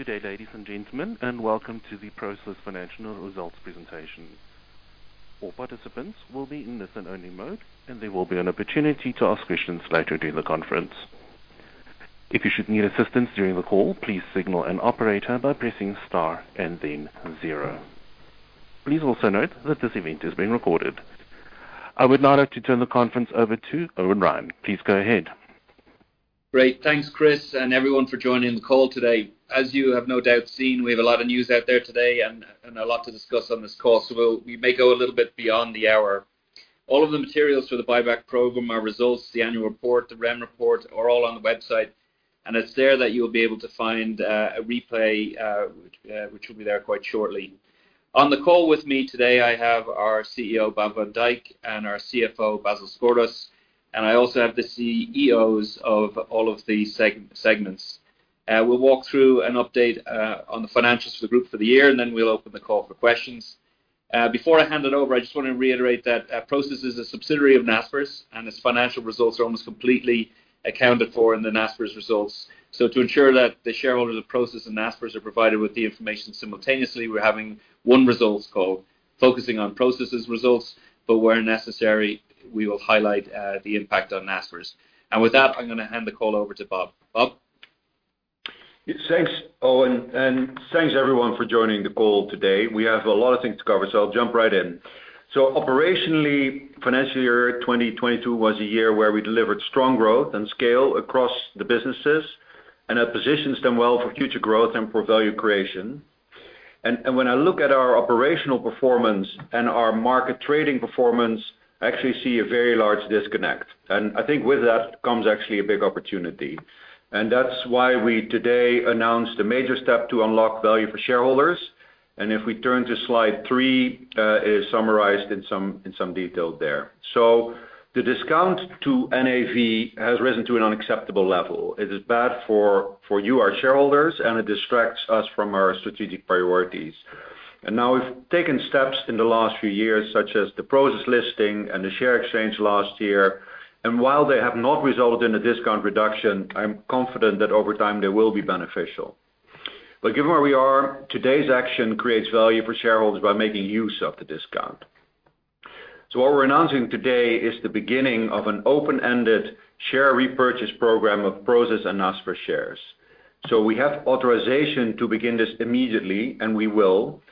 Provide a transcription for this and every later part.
Good day, ladies and gentlemen, and welcome to the Prosus Financial Results Presentation. All participants will be in listen only mode, and there will be an opportunity to ask questions later during the conference. If you should need assistance during the call, please signal an operator by pressing star and then zero. Please also note that this event is being recorded. I would now like to turn the conference over to Ervin Ryan. Please go ahead. Great. Thanks, Chris, and everyone for joining the call today. As you have no doubt seen, we have a lot of news out there today and a lot to discuss on this call. We may go a little bit beyond the hour. All of the materials for the buyback program, our results, the annual report, the Remco report, are all on the website, and it's there that you'll be able to find a replay, which will be there quite shortly. On the call with me today, I have our CEO, Bob van Dijk, and our CFO, Basil Sgourdos, and I also have the CEOs of all of the segments. We'll walk through an update on the financials for the group for the year, and then we'll open the call for questions. Before I hand it over, I just want to reiterate that Prosus is a subsidiary of Naspers, and its financial results are almost completely accounted for in the Naspers results. To ensure that the shareholders of Prosus and Naspers are provided with the information simultaneously, we're having one results call focusing on Prosus' results, but where necessary, we will highlight the impact on Naspers. With that, I'm going to hand the call over to Bob. Bob? Thanks, Ervin, and thanks, everyone, for joining the call today. We have a lot of things to cover, so I'll jump right in. Operationally, financial year 2022 was a year where we delivered strong growth and scale across the businesses, and it positions them well for future growth and for value creation. When I look at our operational performance and our market trading performance, I actually see a very large disconnect. I think with that comes actually a big opportunity. That's why we today announced a major step to unlock value for shareholders. If we turn to slide three, it is summarized in some detail there. The discount to NAV has risen to an unacceptable level. It is bad for you, our shareholders, and it distracts us from our strategic priorities. Now we've taken steps in the last few years, such as the Prosus listing and the share exchange last year. While they have not resulted in a discount reduction, I'm confident that over time, they will be beneficial. Given where we are, today's action creates value for shareholders by making use of the discount. What we're announcing today is the beginning of an open-ended share repurchase program of Prosus and Naspers shares. We have authorization to begin this immediately, and we will.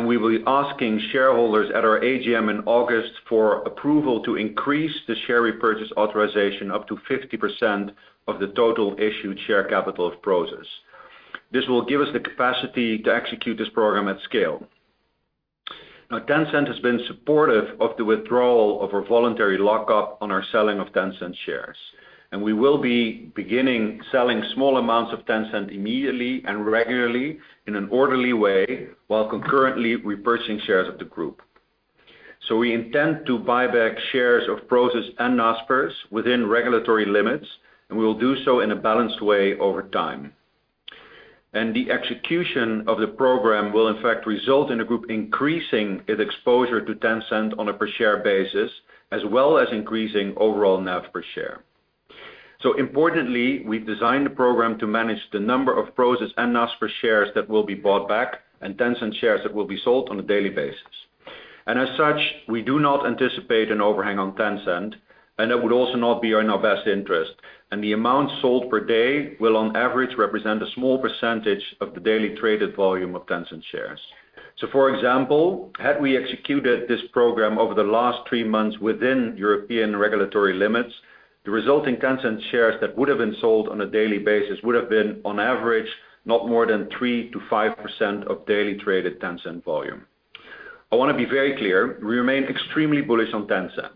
We will be asking shareholders at our AGM in August for approval to increase the share repurchase authorization up to 50% of the total issued share capital of Prosus. This will give us the capacity to execute this program at scale. Now, Tencent has been supportive of the withdrawal of a voluntary lockup on our selling of Tencent shares, and we will be beginning selling small amounts of Tencent immediately and regularly in an orderly way, while concurrently repurchasing shares of the group. We intend to buy back shares of Prosus and Naspers within regulatory limits, and we will do so in a balanced way over time. The execution of the program will, in fact, result in the group increasing its exposure to Tencent on a per share basis, as well as increasing overall NAV per share. Importantly, we've designed the program to manage the number of Prosus and Naspers shares that will be bought back and Tencent shares that will be sold on a daily basis. As such, we do not anticipate an overhang on Tencent, and that would also not be in our best interest. The amount sold per day will, on average, represent a small percentage of the daily traded volume of Tencent shares. For example, had we executed this program over the last three months within European regulatory limits, the resulting Tencent shares that would have been sold on a daily basis would have been, on average, not more than 3%-5% of daily traded Tencent volume. I want to be very clear, we remain extremely bullish on Tencent,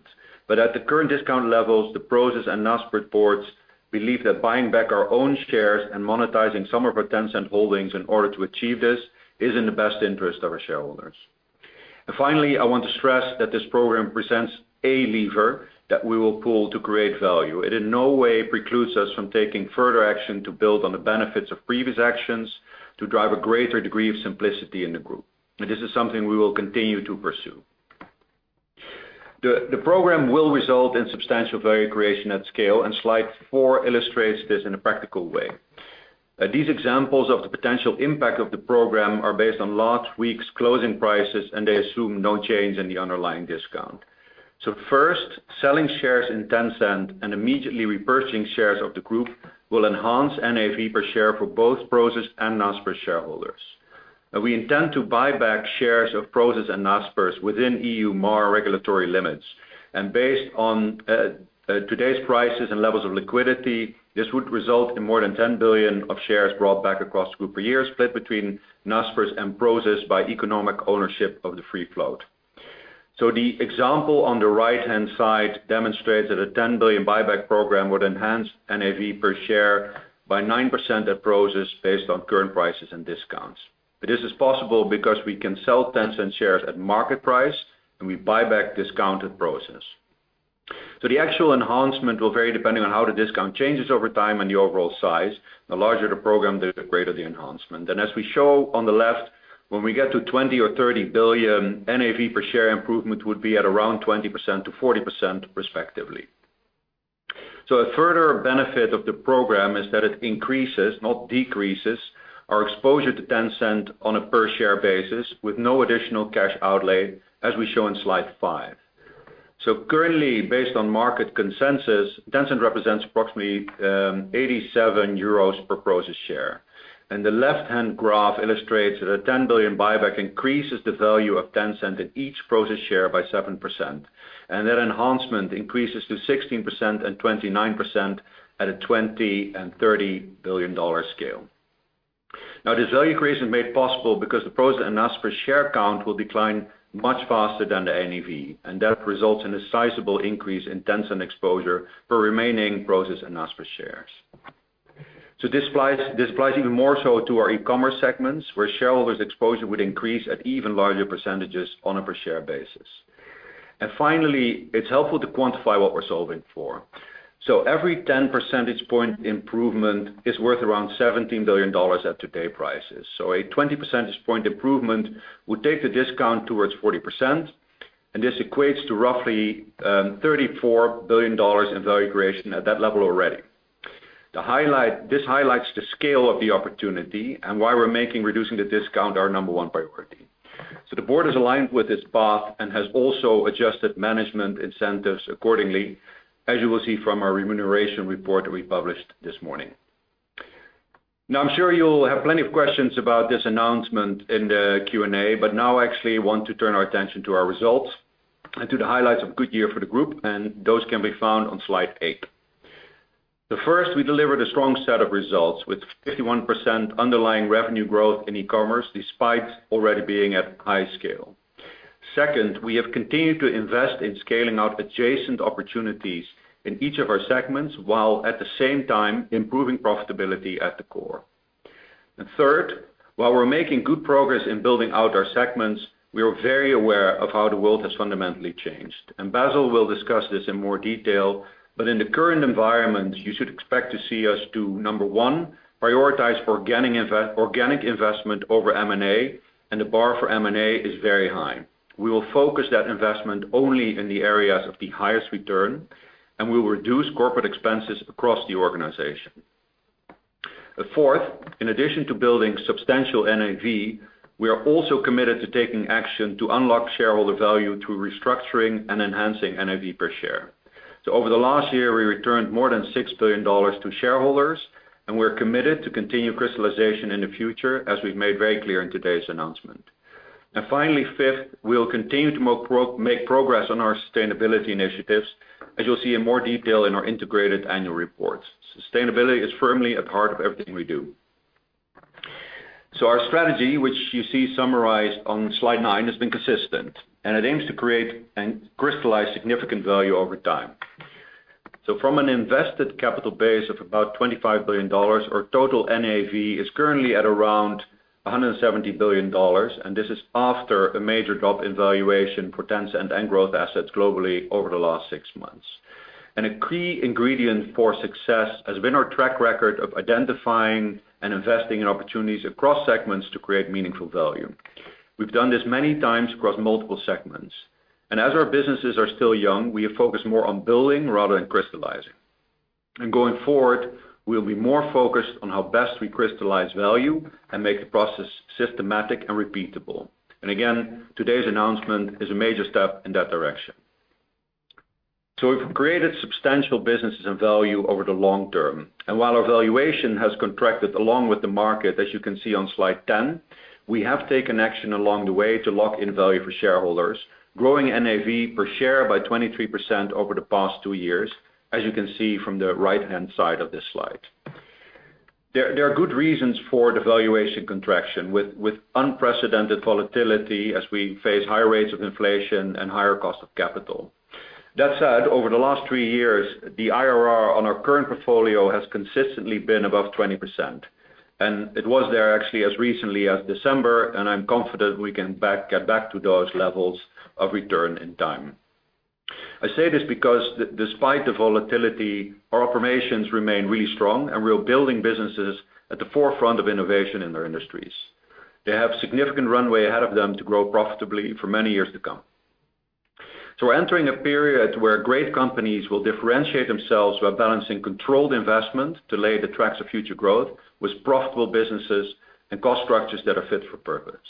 but at the current discount levels, the Prosus and Naspers boards believe that buying back our own shares and monetizing some of our Tencent holdings in order to achieve this is in the best interest of our shareholders. Finally, I want to stress that this program presents a lever that we will pull to create value. It in no way precludes us from taking further action to build on the benefits of previous actions to drive a greater degree of simplicity in the group. This is something we will continue to pursue. The program will result in substantial value creation at scale, and slide four illustrates this in a practical way. These examples of the potential impact of the program are based on last week's closing prices, and they assume no change in the underlying discount. First, selling shares in Tencent and immediately repurchasing shares of the group will enhance NAV per share for both Prosus and Naspers shareholders. We intend to buy back shares of Prosus and Naspers within EU MAR regulatory limits. Based on today's prices and levels of liquidity, this would result in more than $10 billion of shares brought back across group per year, split between Naspers and Prosus by economic ownership of the free float. The example on the right-hand side demonstrates that a $10 billion buyback program would enhance NAV per share by 9% at Prosus based on current prices and discounts. This is possible because we can sell Tencent shares at market price, and we buy back discounted Prosus. The actual enhancement will vary depending on how the discount changes over time and the overall size. The larger the program, the greater the enhancement. As we show on the left, when we get to 20 billion or 30 billion, NAV per share improvement would be at around 20%-40% respectively. A further benefit of the program is that it increases, not decreases, our exposure to Tencent on a per share basis with no additional cash outlay, as we show in slide five. Currently, based on market consensus, Tencent represents approximately 87 euros per Prosus share. The left-hand graph illustrates that a $10 billion buyback increases the value of Tencent in each Prosus share by 7%, and that enhancement increases to 16% and 29% at a $20 and $30 billion dollar scale. Now, this value creation is made possible because the Prosus and Naspers share count will decline much faster than the NAV, and that results in a sizable increase in Tencent exposure for remaining Prosus and Naspers shares. This applies even more so to our e-commerce segments, where shareholders exposure would increase at even larger percentages on a per share basis. Finally, it's helpful to quantify what we're solving for. Every 10 percentage point improvement is worth around $17 billion at today's prices. A 20 percentage point improvement would take the discount towards 40%, and this equates to roughly $34 billion in value creation at that level already. This highlights the scale of the opportunity and why we're making reducing the discount our number one priority. The board is aligned with this path and has also adjusted management incentives accordingly, as you will see from our remuneration report we published this morning. Now, I'm sure you'll have plenty of questions about this announcement in the Q&A, but now I actually want to turn our attention to our results and to the highlights of good year for the group, and those can be found on slide eight. The first, we delivered a strong set of results with 51% underlying revenue growth in e-commerce, despite already being at high scale. Second, we have continued to invest in scaling out adjacent opportunities in each of our segments, while at the same time improving profitability at the core. Third, while we're making good progress in building out our segments, we are very aware of how the world has fundamentally changed. Basil will discuss this in more detail, but in the current environment, you should expect to see us do, number one, prioritize organic investment over M&A, and the bar for M&A is very high. We will focus that investment only in the areas of the highest return, and we will reduce corporate expenses across the organization. Fourth, in addition to building substantial NAV, we are also committed to taking action to unlock shareholder value through restructuring and enhancing NAV per share. Over the last year, we returned more than $6 billion to shareholders, and we're committed to continue crystallization in the future, as we've made very clear in today's announcement. Finally, fifth, we will continue to make progress on our sustainability initiatives, as you'll see in more detail in our integrated annual reports. Sustainability is firmly a part of everything we do. Our strategy, which you see summarized on slide nine, has been consistent, and it aims to create and crystallize significant value over time. From an invested capital base of about $25 billion, our total NAV is currently at around $170 billion, and this is after a major drop in valuation for Tencent and growth assets globally over the last six months. A key ingredient for success has been our track record of identifying and investing in opportunities across segments to create meaningful value. We've done this many times across multiple segments, and as our businesses are still young, we have focused more on building rather than crystallizing. Going forward, we'll be more focused on how best we crystallize value and make the process systematic and repeatable. Again, today's announcement is a major step in that direction. We've created substantial businesses and value over the long term. While our valuation has contracted along with the market, as you can see on slide 10, we have taken action along the way to lock in value for shareholders, growing NAV per share by 23% over the past two years, as you can see from the right-hand side of this slide. There are good reasons for the valuation contraction, with unprecedented volatility as we face higher rates of inflation and higher cost of capital. That said, over the last three years, the IRR on our current portfolio has consistently been above 20%. It was there actually as recently as December, and I'm confident we can get back to those levels of return in time. I say this because despite the volatility, our operations remain really strong and we're building businesses at the forefront of innovation in their industries. They have significant runway ahead of them to grow profitably for many years to come. We're entering a period where great companies will differentiate themselves by balancing controlled investment to lay the tracks of future growth with profitable businesses and cost structures that are fit for purpose.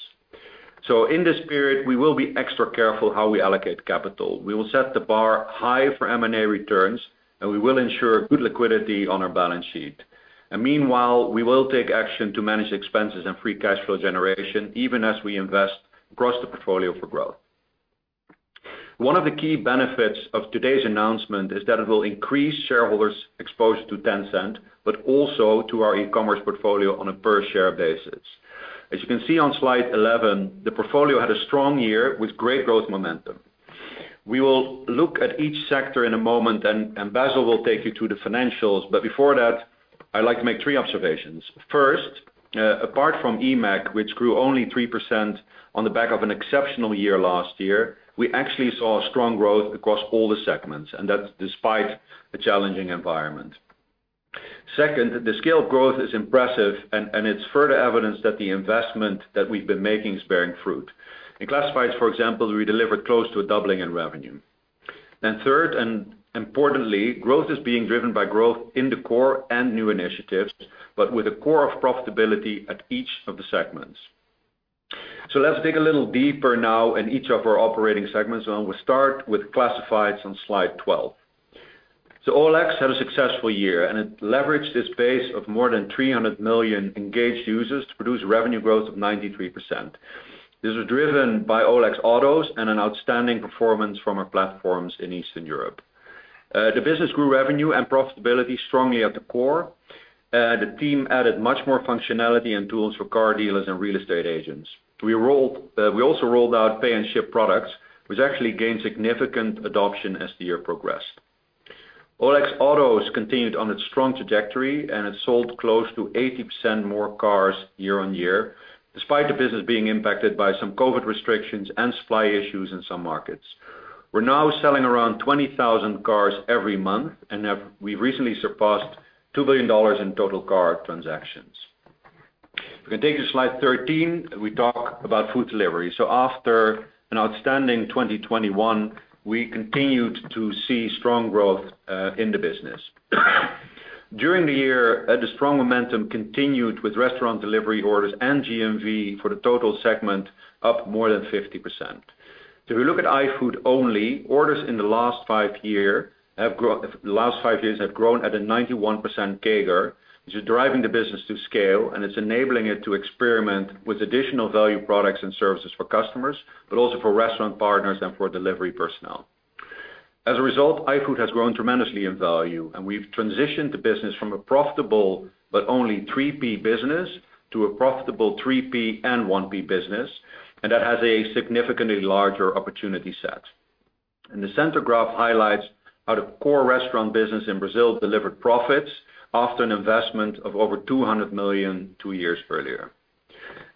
In this period, we will be extra careful how we allocate capital. We will set the bar high for M&A returns, and we will ensure good liquidity on our balance sheet. Meanwhile, we will take action to manage expenses and free cash flow generation, even as we invest across the portfolio for growth. One of the key benefits of today's announcement is that it will increase shareholders exposure to Tencent, but also to our e-commerce portfolio on a per share basis. As you can see on slide 11, the portfolio had a strong year with great growth momentum. We will look at each sector in a moment, and Basil will take you through the financials, but before that, I'd like to make three observations. First, apart from eMAG, which grew only 3% on the back of an exceptional year last year, we actually saw strong growth across all the segments, and that's despite the challenging environment. Second, the scale of growth is impressive and it's further evidence that the investment that we've been making is bearing fruit. In classifieds, for example, we delivered close to a doubling in revenue. Third, and importantly, growth is being driven by growth in the core and new initiatives, but with a core of profitability at each of the segments. Let's dig a little deeper now in each of our operating segments, and we'll start with classifieds on slide 12. OLX had a successful year, and it leveraged its base of more than 300 million engaged users to produce revenue growth of 93%. These are driven by OLX Autos and an outstanding performance from our platforms in Eastern Europe. The business grew revenue and profitability strongly at the core. The team added much more functionality and tools for car dealers and real estate agents. We also rolled out Pay & Ship products, which actually gained significant adoption as the year progressed. OLX Autos continued on its strong trajectory and it sold close to 80% more cars year-on-year, despite the business being impacted by some COVID restrictions and supply issues in some markets. We're now selling around 20,000 cars every month, and we recently surpassed $2 billion in total car transactions. If we can take you to slide 13, we talk about food delivery. After an outstanding 2021, we continued to see strong growth in the business. During the year, the strong momentum continued with restaurant delivery orders and GMV for the total segment up more than 50%. If you look at iFood only, orders in the last five years have grown at a 91% CAGR, which is driving the business to scale, and it's enabling it to experiment with additional value products and services for customers, but also for restaurant partners and for delivery personnel. As a result, iFood has grown tremendously in value, and we've transitioned the business from a profitable but only 3P business to a profitable 3P and 1P business, and that has a significantly larger opportunity set. The center graph highlights how the core restaurant business in Brazil delivered profits after an investment of over $200 million two years earlier.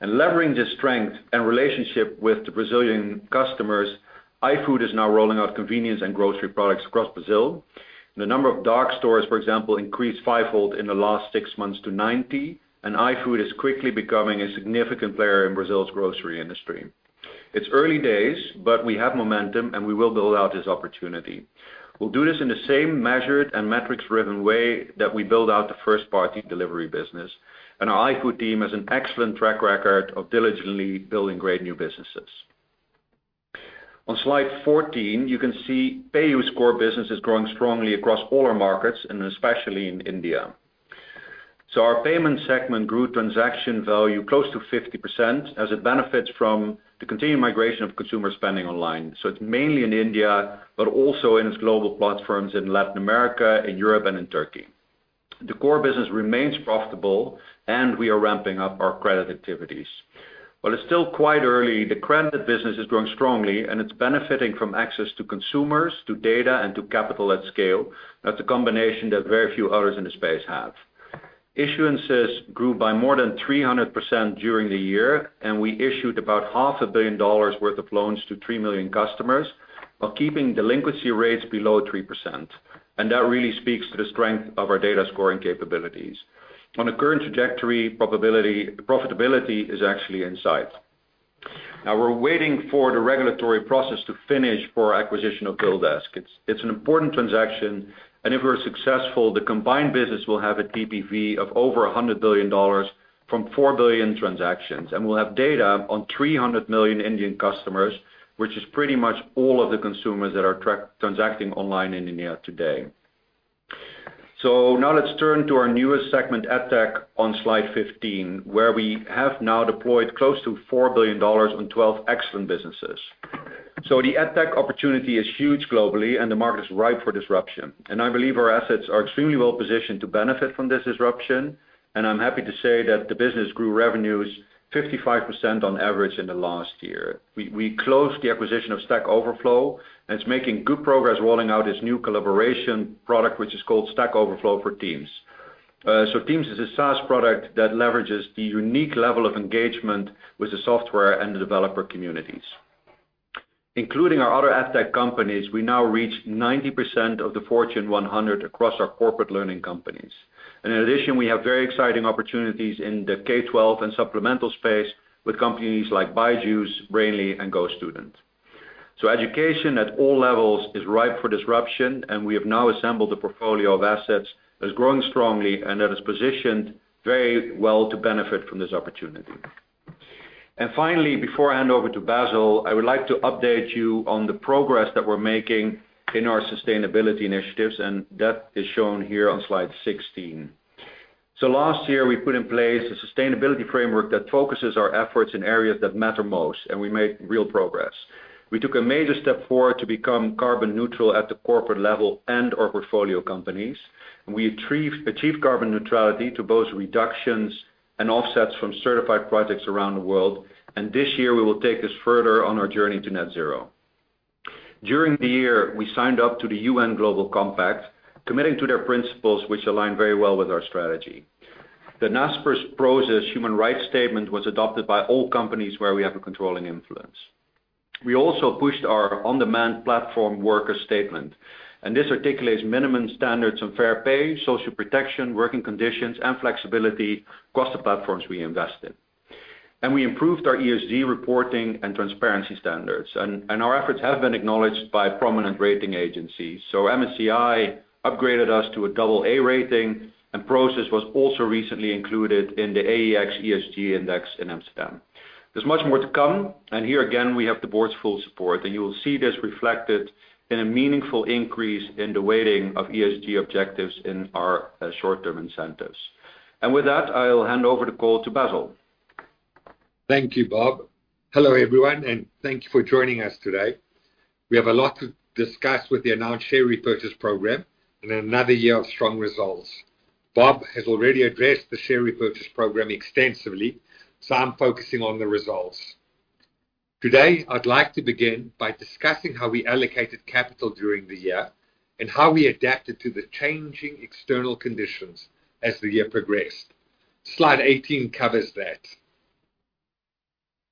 Leveraging the strength and relationship with the Brazilian customers, iFood is now rolling out convenience and grocery products across Brazil. The number of dark stores, for example, increased fivefold in the last six months to 90, and iFood is quickly becoming a significant player in Brazil's grocery industry. It's early days, but we have momentum, and we will build out this opportunity. We'll do this in the same measured and metrics-driven way that we build out the first party delivery business, and our iFood team has an excellent track record of diligently building great new businesses. On slide 14, you can see PayU's core business is growing strongly across all our markets and especially in India. Our payment segment grew transaction value close to 50% as it benefits from the continued migration of consumer spending online. It's mainly in India, but also in its global platforms in Latin America, in Europe, and in Turkey. The core business remains profitable, and we are ramping up our credit activities. While it's still quite early, the credit business is growing strongly, and it's benefiting from access to consumers, to data, and to capital at scale. That's a combination that very few others in the space have. Issuances grew by more than 300% during the year, and we issued about $0.5 billion worth of loans to 3 million customers while keeping delinquency rates below 3%. That really speaks to the strength of our data scoring capabilities. On the current trajectory, profitability is actually in sight. Now, we're waiting for the regulatory process to finish for our acquisition of BillDesk. It's an important transaction, and if we're successful, the combined business will have a TPV of over $100 billion from 4 billion transactions, and we'll have data on 300 million Indian customers, which is pretty much all of the consumers that are transacting online in India today. Now let's turn to our newest segment, AdTech, on slide 15, where we have now deployed close to $4 billion on 12 excellent businesses. The AdTech opportunity is huge globally, and the market is ripe for disruption. I believe our assets are extremely well positioned to benefit from this disruption, and I'm happy to say that the business grew revenues 55% on average in the last year. We closed the acquisition of Stack Overflow, and it's making good progress rolling out its new collaboration product, which is called Stack Overflow for Teams. Teams is a SaaS product that leverages the unique level of engagement with the software and the developer communities. Including our other EdTech companies, we now reach 90% of the Fortune 100 across our corporate learning companies. In addition, we have very exciting opportunities in the K-12 and supplemental space with companies like BYJU'S, Brainly, and GoStudent. Education at all levels is ripe for disruption, and we have now assembled a portfolio of assets that's growing strongly and that is positioned very well to benefit from this opportunity. Finally, before I hand over to Basil, I would like to update you on the progress that we're making in our sustainability initiatives, and that is shown here on slide 16. Last year, we put in place a sustainability framework that focuses our efforts in areas that matter most, and we made real progress. We took a major step forward to become carbon neutral at the corporate level and our portfolio companies. We achieved carbon neutrality to both reductions and offsets from certified projects around the world, and this year, we will take this further on our journey to net zero. During the year, we signed up to the UN Global Compact, committing to their principles which align very well with our strategy. The Naspers–Prosus Human Rights Statement was adopted by all companies where we have a controlling influence. We also pushed our on-demand platform worker statement, and this articulates minimum standards of fair pay, social protection, working conditions, and flexibility across the platforms we invest in. We improved our ESG reporting and transparency standards. Our efforts have been acknowledged by prominent rating agencies. MSCI upgraded us to a double A rating, and Prosus was also recently included in the AEX ESG Index in Amsterdam. There's much more to come, and here again, we have the board's full support. You will see this reflected in a meaningful increase in the weighting of ESG objectives in our short-term incentives. With that, I'll hand over the call to Basil. Thank you, Bob. Hello, everyone, and thank you for joining us today. We have a lot to discuss with the announced share repurchase program and another year of strong results. Bob has already addressed the share repurchase program extensively, so I'm focusing on the results. Today, I'd like to begin by discussing how we allocated capital during the year and how we adapted to the changing external conditions as the year progressed. Slide 18 covers that.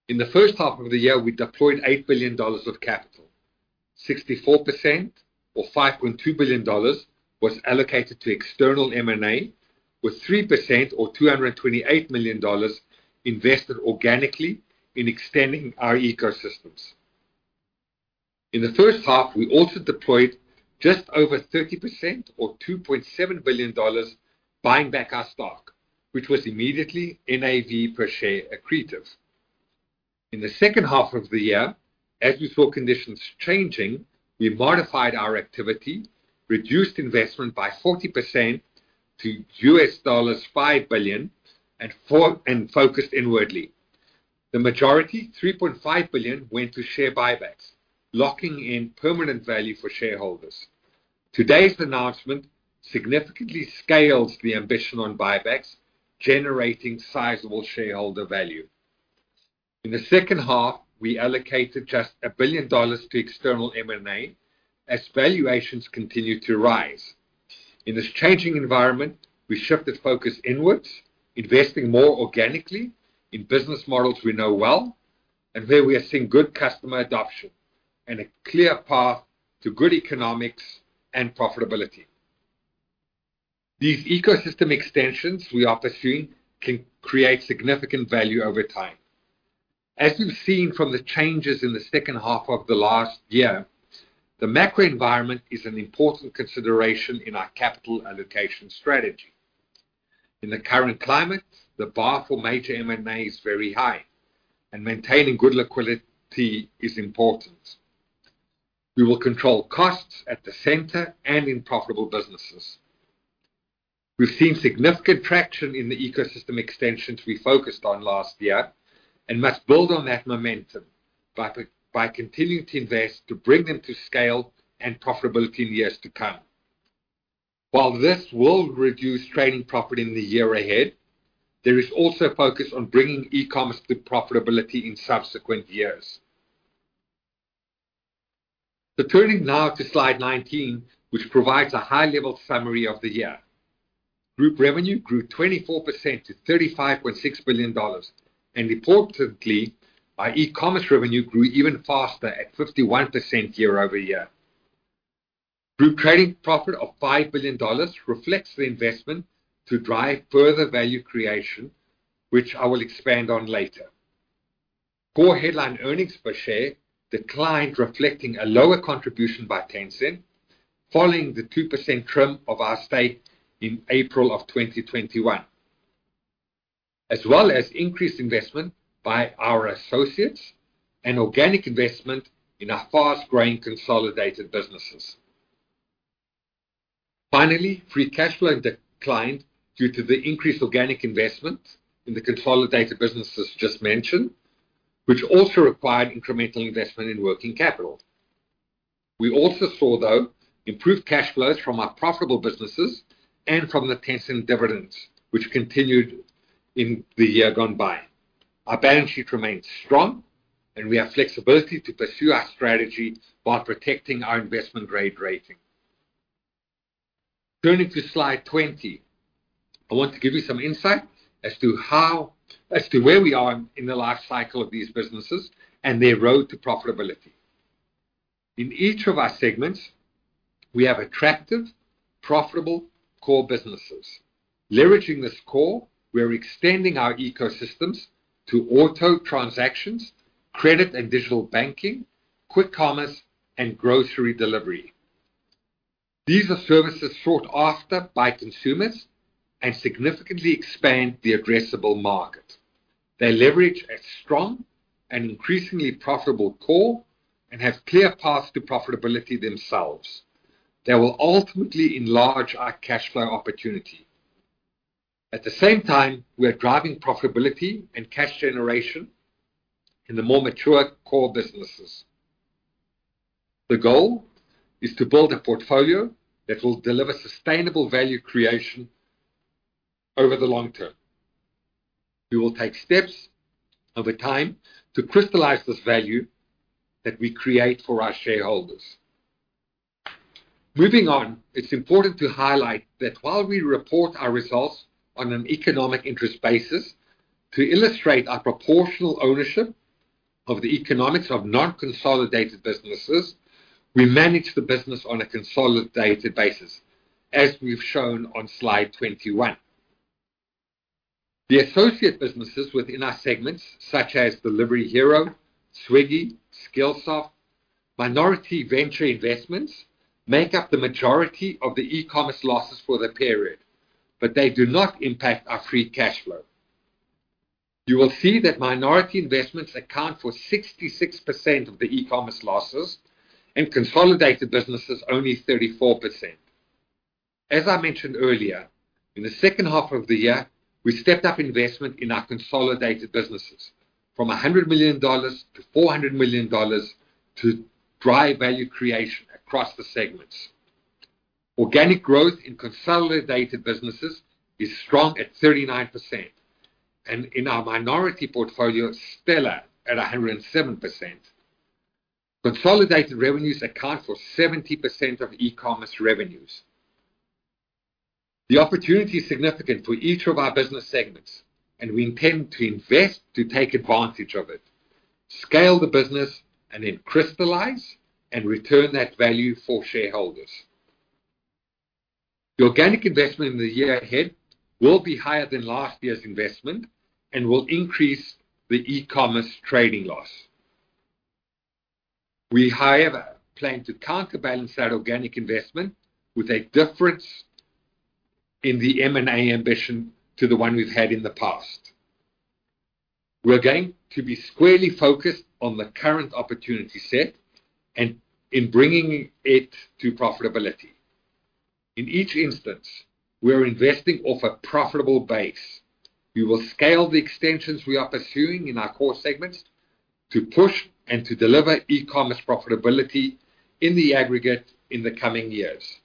In the first half of the year, we deployed $8 billion of capital. 64% or $5.2 billion was allocated to external M&A, with 3% or $228 million invested organically in extending our ecosystems. In the first half, we also deployed just over 30% or $2.7 billion buying back our stock, which was immediately NAV per share accretive. In the second half of the year, as we saw conditions changing, we modified our activity, reduced investment by 40% to $5 billion and focused inwardly. The majority, $3.5 billion, went to share buybacks, locking in permanent value for shareholders. Today's announcement significantly scales the ambition on buybacks, generating sizable shareholder value. In the second half, we allocated just $1 billion to external M&A as valuations continued to rise. In this changing environment, we shifted focus inwards, investing more organically in business models we know well and where we are seeing good customer adoption and a clear path to good economics and profitability. These ecosystem extensions we are pursuing can create significant value over time. As you've seen from the changes in the second half of the last year, the macro environment is an important consideration in our capital allocation strategy. In the current climate, the bar for major M&A is very high, and maintaining good liquidity is important. We will control costs at the center and in profitable businesses. We've seen significant traction in the ecosystem extensions we focused on last year and must build on that momentum by continuing to invest to bring them to scale and profitability in years to come. While this will reduce trading profit in the year ahead, there is also a focus on bringing e-commerce to profitability in subsequent years. Turning now to slide 19, which provides a high-level summary of the year. Group revenue grew 24% to $35.6 billion. Importantly, our e-commerce revenue grew even faster at 51% year-over-year. Group trading profit of $5 billion reflects the investment to drive further value creation, which I will expand on later. Core headline earnings per share declined, reflecting a lower contribution by Tencent, following the 2% trim of our stake in April 2021, as well as increased investment by our associates and organic investment in our fast-growing consolidated businesses. Finally, free cash flow declined due to the increased organic investment in the consolidated businesses just mentioned, which also required incremental investment in working capital. We also saw, though, improved cash flows from our profitable businesses and from the Tencent dividends, which continued in the year gone by. Our balance sheet remains strong, and we have flexibility to pursue our strategy while protecting our investment-grade rating. Turning to slide 20. I want to give you some insight as to where we are in the life cycle of these businesses and their road to profitability. In each of our segments, we have attractive, profitable core businesses. Leveraging this core, we are extending our ecosystems to auto transactions, credit and digital banking, quick commerce, and grocery delivery. These are services sought after by consumers and significantly expand the addressable market. They leverage a strong and increasingly profitable core and have clear paths to profitability themselves. They will ultimately enlarge our cash flow opportunity. At the same time, we are driving profitability and cash generation in the more mature core businesses. The goal is to build a portfolio that will deliver sustainable value creation over the long term. We will take steps over time to crystallize this value that we create for our shareholders. Moving on, it's important to highlight that while we report our results on an economic interest basis to illustrate our proportional ownership of the economics of non-consolidated businesses, we manage the business on a consolidated basis, as we've shown on slide 21. The associate businesses within our segments, such as Delivery Hero, Swiggy, Skillsoft, minority venture investments, make up the majority of the e-commerce losses for the period, but they do not impact our free cash flow. You will see that minority investments account for 66% of the e-commerce losses and consolidated businesses only 34%. As I mentioned earlier, in the second half of the year, we stepped up investment in our consolidated businesses from $100 million-$400 million to drive value creation across the segments. Organic growth in consolidated businesses is strong at 39%, and in our minority portfolio, stellar at 107%. Consolidated revenues account for 70% of e-commerce revenues. The opportunity is significant for each of our business segments, and we intend to invest to take advantage of it, scale the business, and then crystallize and return that value for shareholders. The organic investment in the year ahead will be higher than last year's investment and will increase the e-commerce trading loss. We, however, plan to counterbalance that organic investment with a difference in the M&A ambition to the one we've had in the past. We're going to be squarely focused on the current opportunity set and in bringing it to profitability. In each instance, we are investing off a profitable base. We will scale the extensions we are pursuing in our core segments to push and to deliver e-commerce profitability in the aggregate in the coming years.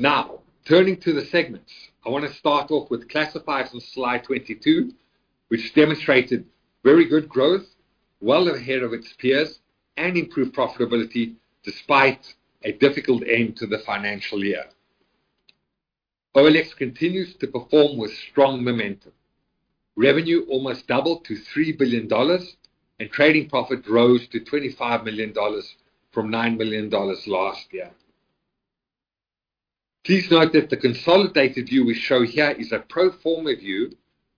Now, turning to the segments. I wanna start off with Classifieds on slide 22, which demonstrated very good growth, well ahead of its peers, and improved profitability despite a difficult end to the financial year. OLX continues to perform with strong momentum. Revenue almost doubled to $3 billion and trading profit rose to $25 million from $9 million last year. Please note that the consolidated view we show here is a pro forma view,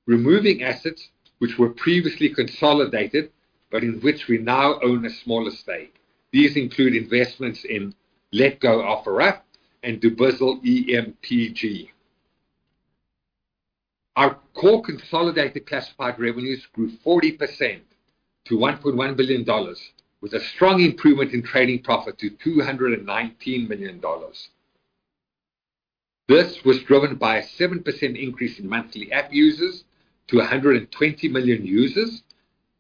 removing assets which were previously consolidated, but in which we now own a smaller stake. These include investments in Letgo, Opera, and Dubizzle Group. Our core consolidated classified revenues grew 40% to $1.1 billion, with a strong improvement in trading profit to $219 million. This was driven by a 7% increase in monthly app users to 120 million users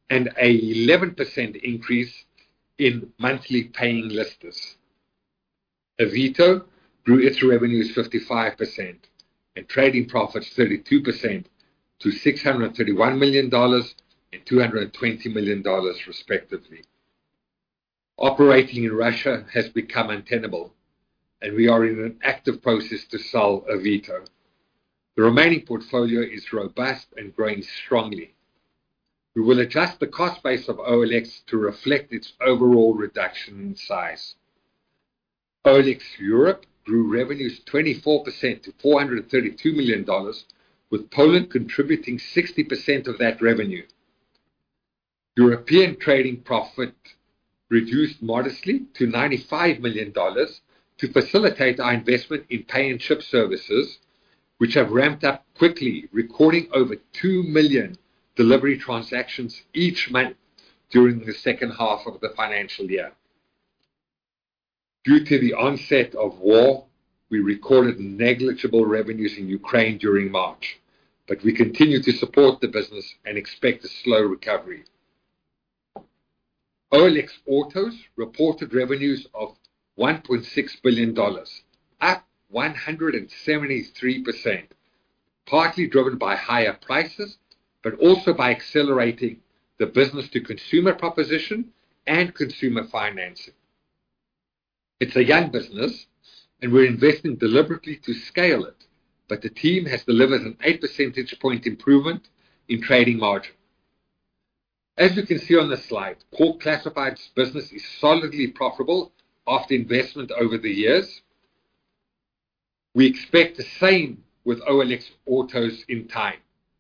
and a 11% increase in monthly paying listers. Avito grew its revenues 55% and trading profits 32% to $631 million and $220 million, respectively. Operating in Russia has become untenable, and we are in an active process to sell Avito. The remaining portfolio is robust and growing strongly. We will adjust the cost base of OLX to reflect its overall reduction in size. OLX Europe grew revenues 24% to $432 million, with Poland contributing 60% of that revenue. European trading profit reduced modestly to $95 million to facilitate our investment in Pay & Ship services, which have ramped up quickly, recording over 2 million delivery transactions each month during the second half of the financial year. Due to the onset of war, we recorded negligible revenues in Ukraine during March, but we continue to support the business and expect a slow recovery. OLX Autos reported revenues of $1.6 billion, up 173%, partly driven by higher prices, but also by accelerating the business to consumer proposition and consumer financing. It's a young business and we're investing deliberately to scale it, but the team has delivered an eight percentage point improvement in trading margin. As you can see on the slide, Core Classifieds business is solidly profitable after investment over the years. We expect the same with OLX Autos in time.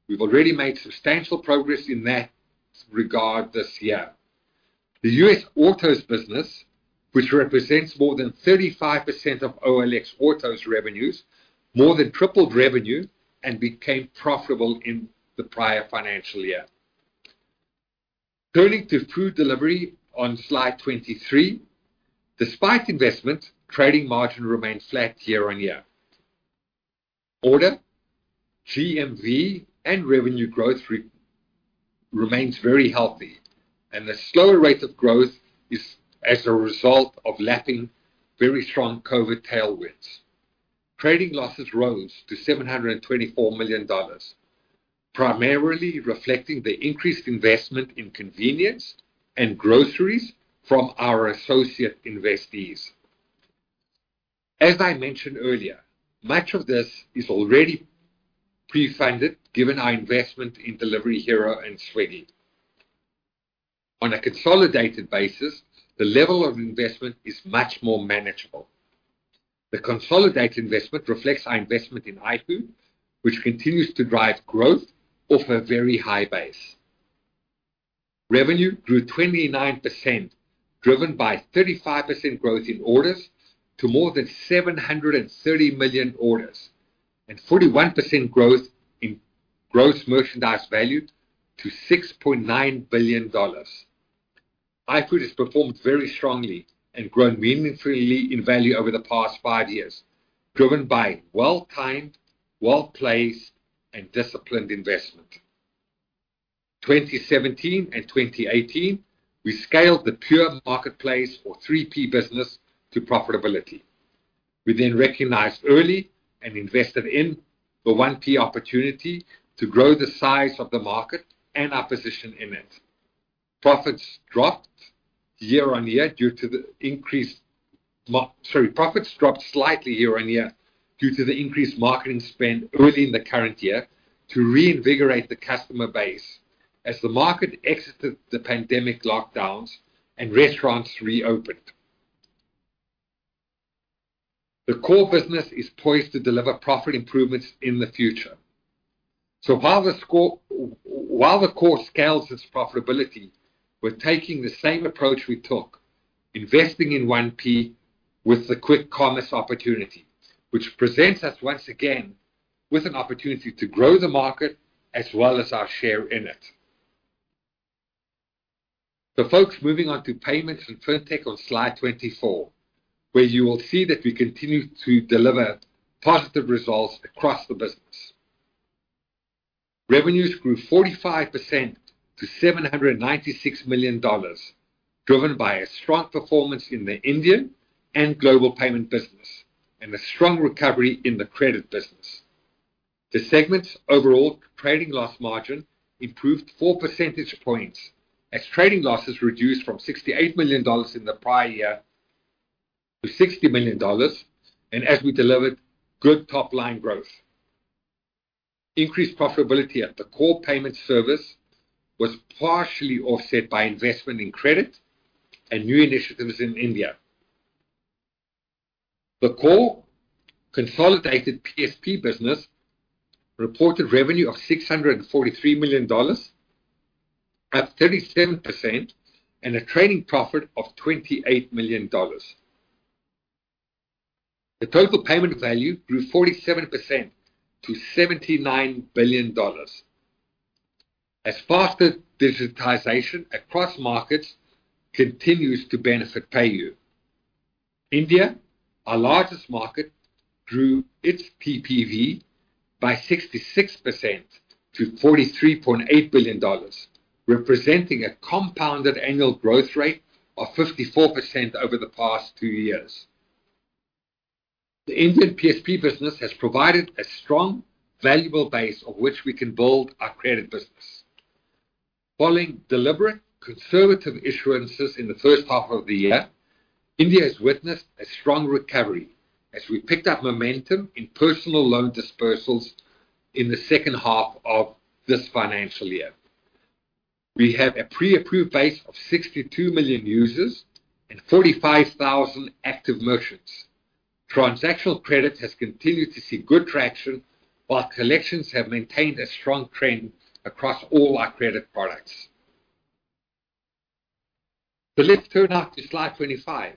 We've already made substantial progress in that regard this year. The U.S. Autos business, which represents more than 35% of OLX Autos revenues, more than tripled revenue and became profitable in the prior financial year. Turning to Food Delivery on slide 23. Despite investment, trading margin remains flat year on year. Order, GMV, and revenue growth remains very healthy, and the slower rate of growth is as a result of lapping very strong COVID tailwinds. Trading losses rose to $724 million, primarily reflecting the increased investment in convenience and groceries from our associate investees. As I mentioned earlier, much of this is already pre-funded given our investment in Delivery Hero and Swiggy. On a consolidated basis, the level of investment is much more manageable. The consolidated investment reflects our investment in iFood, which continues to drive growth off a very high base. Revenue grew 29%, driven by 35% growth in orders to more than 730 million orders, and 41% growth in gross merchandise value to $6.9 billion. iFood has performed very strongly and grown meaningfully in value over the past five years, driven by well-timed, well-placed and disciplined investment. 2017 and 2018, we scaled the pure marketplace or 3P business to profitability. We then recognized early and invested in the 1P opportunity to grow the size of the market and our position in it. Profits dropped slightly year-on-year due to the increased marketing spend early in the current year to reinvigorate the customer base as the market exited the pandemic lockdowns and restaurants reopened. The core business is poised to deliver profit improvements in the future. While the core scales its profitability, we're taking the same approach we took, investing in 1P with the quick commerce opportunity, which presents us once again with an opportunity to grow the market as well as our share in it. Folks, moving on to payments and fintech on slide 24, where you will see that we continue to deliver positive results across the business. Revenues grew 45% to $796 million, driven by a strong performance in the Indian and global payment business and a strong recovery in the credit business. The segment's overall trading loss margin improved four percentage points as trading losses reduced from $68 million in the prior year to $60 million, and as we delivered good top-line growth. Increased profitability at the core payment service was partially offset by investment in credit and new initiatives in India. The core consolidated PSP business reported revenue of $643 million, up 37% and a trading profit of $28 million. The total payment value grew 47% to $79 billion. As faster digitization across markets continues to benefit PayU India, our largest market, grew its TPV by 66% to $43.8 billion, representing a compounded annual growth rate of 54% over the past two years. The Indian PSP business has provided a strong, valuable base of which we can build our credit business. Following deliberate conservative issuances in the first half of the year, India has witnessed a strong recovery as we picked up momentum in personal loan dispersals in the second half of this financial year. We have a pre-approved base of 62 million users and 45,000 active merchants. Transactional credit has continued to see good traction while collections have maintained a strong trend across all our credit products. Let's turn now to slide 25.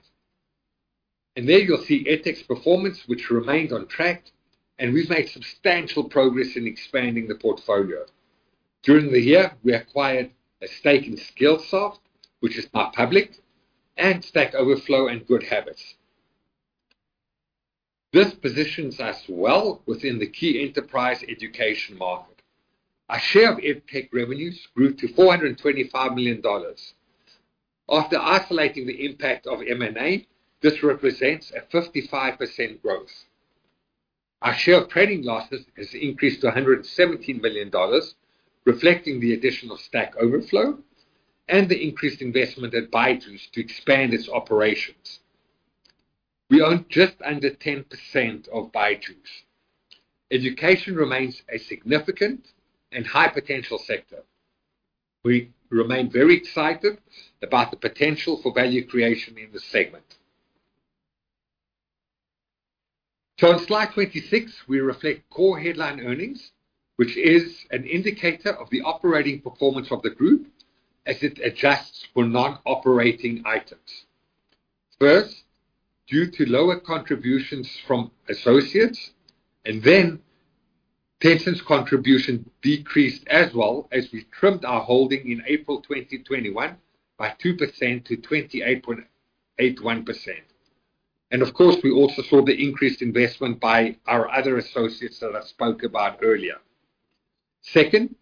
There you'll see EdTech's performance which remains on track, and we've made substantial progress in expanding the portfolio. During the year, we acquired a stake in Skillsoft, which is now public, and Stack Overflow and GoodHabitz. This positions us well within the key enterprise education market. Our share of EdTech revenues grew to $425 million. After isolating the impact of M&A, this represents a 55% growth. Our share of trading losses has increased to $117 million, reflecting the additional Stack Overflow and the increased investment at BYJU'S to expand its operations. We own just under 10% of BYJU'S. Education remains a significant and high-potential sector. We remain very excited about the potential for value creation in this segment. On slide 26, we reflect core headline earnings, which is an indicator of the operating performance of the group as it adjusts for non-operating items. First, due to lower contributions from associates and then Tencent's contribution decreased as well as we trimmed our holding in April 2021 by 2%-28.81%. Of course, we also saw the increased investment by our other associates that I spoke about earlier. Second,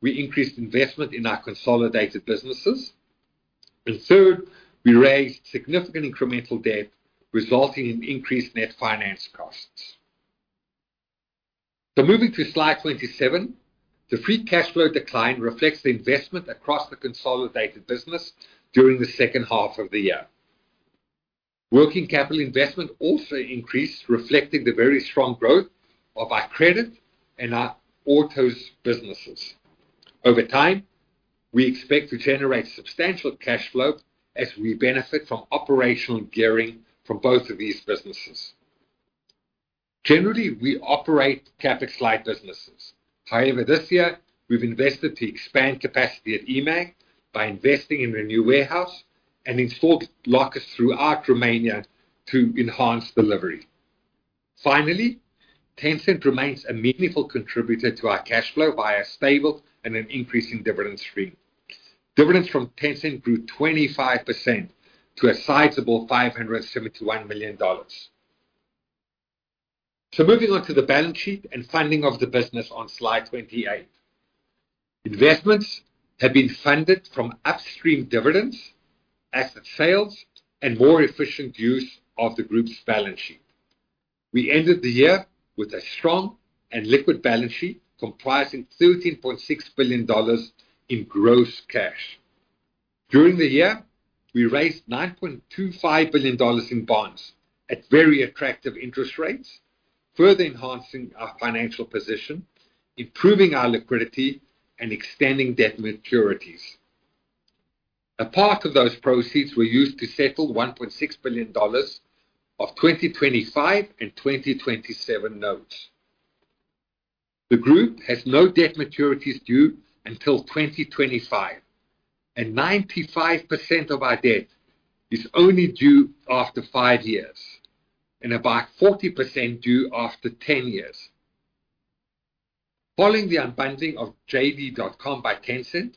we increased investment in our consolidated businesses. Third, we raised significant incremental debt, resulting in increased net finance costs. Moving to slide 27, the free cash flow decline reflects the investment across the consolidated business during the second half of the year. Working capital investment also increased, reflecting the very strong growth of our credit and our autos businesses. Over time, we expect to generate substantial cash flow as we benefit from operational gearing from both of these businesses. Generally, we operate CapEx light businesses. However, this year we've invested to expand capacity at eMAG by investing in a new warehouse and installed lockers throughout Romania to enhance delivery. Finally, Tencent remains a meaningful contributor to our cash flow via stable and increasing dividend stream. Dividends from Tencent grew 25% to a sizable $571 million. Moving on to the balance sheet and funding of the business on slide 28. Investments have been funded from upstream dividends, asset sales, and more efficient use of the group's balance sheet. We ended the year with a strong and liquid balance sheet comprising $13.6 billion in gross cash. During the year, we raised $9.25 billion in bonds at very attractive interest rates, further enhancing our financial position, improving our liquidity, and extending debt maturities. A part of those proceeds were used to settle $1.6 billion of 2025 and 2027 notes. The group has no debt maturities due until 2025, and 95% of our debt is only due after five years and about 40% due after 10 years. Following the unbundling of JD.com by Tencent,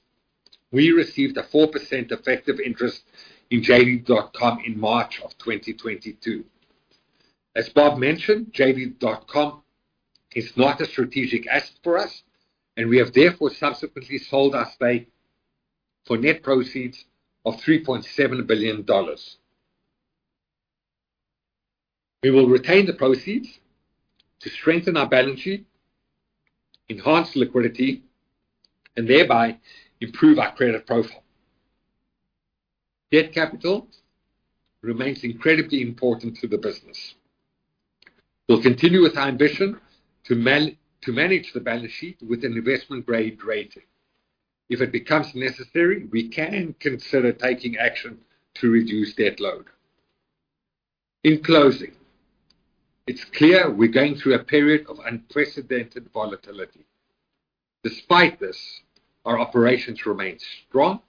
we received a 4% effective interest in JD.com in March 2022. As Bob mentioned, JD.com is not a strategic asset for us, and we have therefore subsequently sold our stake for net proceeds of $3.7 billion. We will retain the proceeds to strengthen our balance sheet, enhance liquidity, and thereby improve our credit profile. Debt capital remains incredibly important to the business. We'll continue with our ambition to manage the balance sheet with an investment-grade rating. If it becomes necessary, we can consider taking action to reduce debt load. In closing, it's clear we're going through a period of unprecedented volatility. Despite this, our operations remain strong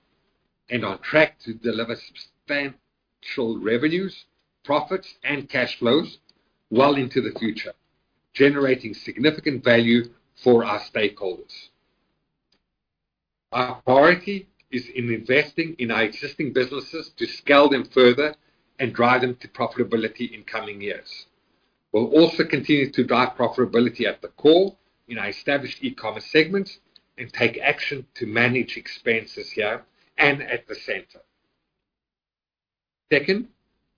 and on track to deliver substantial revenues, profits, and cash flows well into the future, generating significant value for our stakeholders. Our priority is in investing in our existing businesses to scale them further and drive them to profitability in coming years. We'll also continue to drive profitability at the core in our established e-commerce segments and take action to manage expenses here and at the center. Second,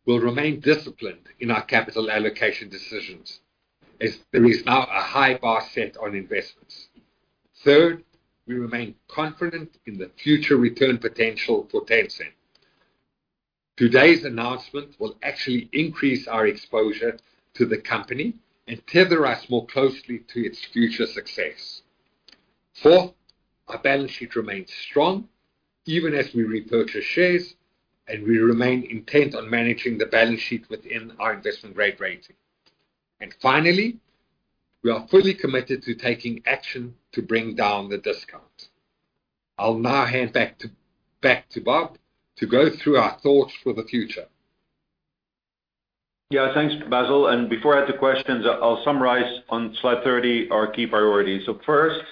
we'll remain disciplined in our capital allocation decisions as there is now a high bar set on investments. Third, we remain confident in the future return potential for Tencent. Today's announcement will actually increase our exposure to the company and tether us more closely to its future success. Fourth, our balance sheet remains strong even as we repurchase shares, and we remain intent on managing the balance sheet within our investment-grade rating. Finally, we are fully committed to taking action to bring down the discount. I'll now hand back to Bob to go through our thoughts for the future. Yeah. Thanks, Basil. Before I take questions, I'll summarize on slide 30 our key priorities. First,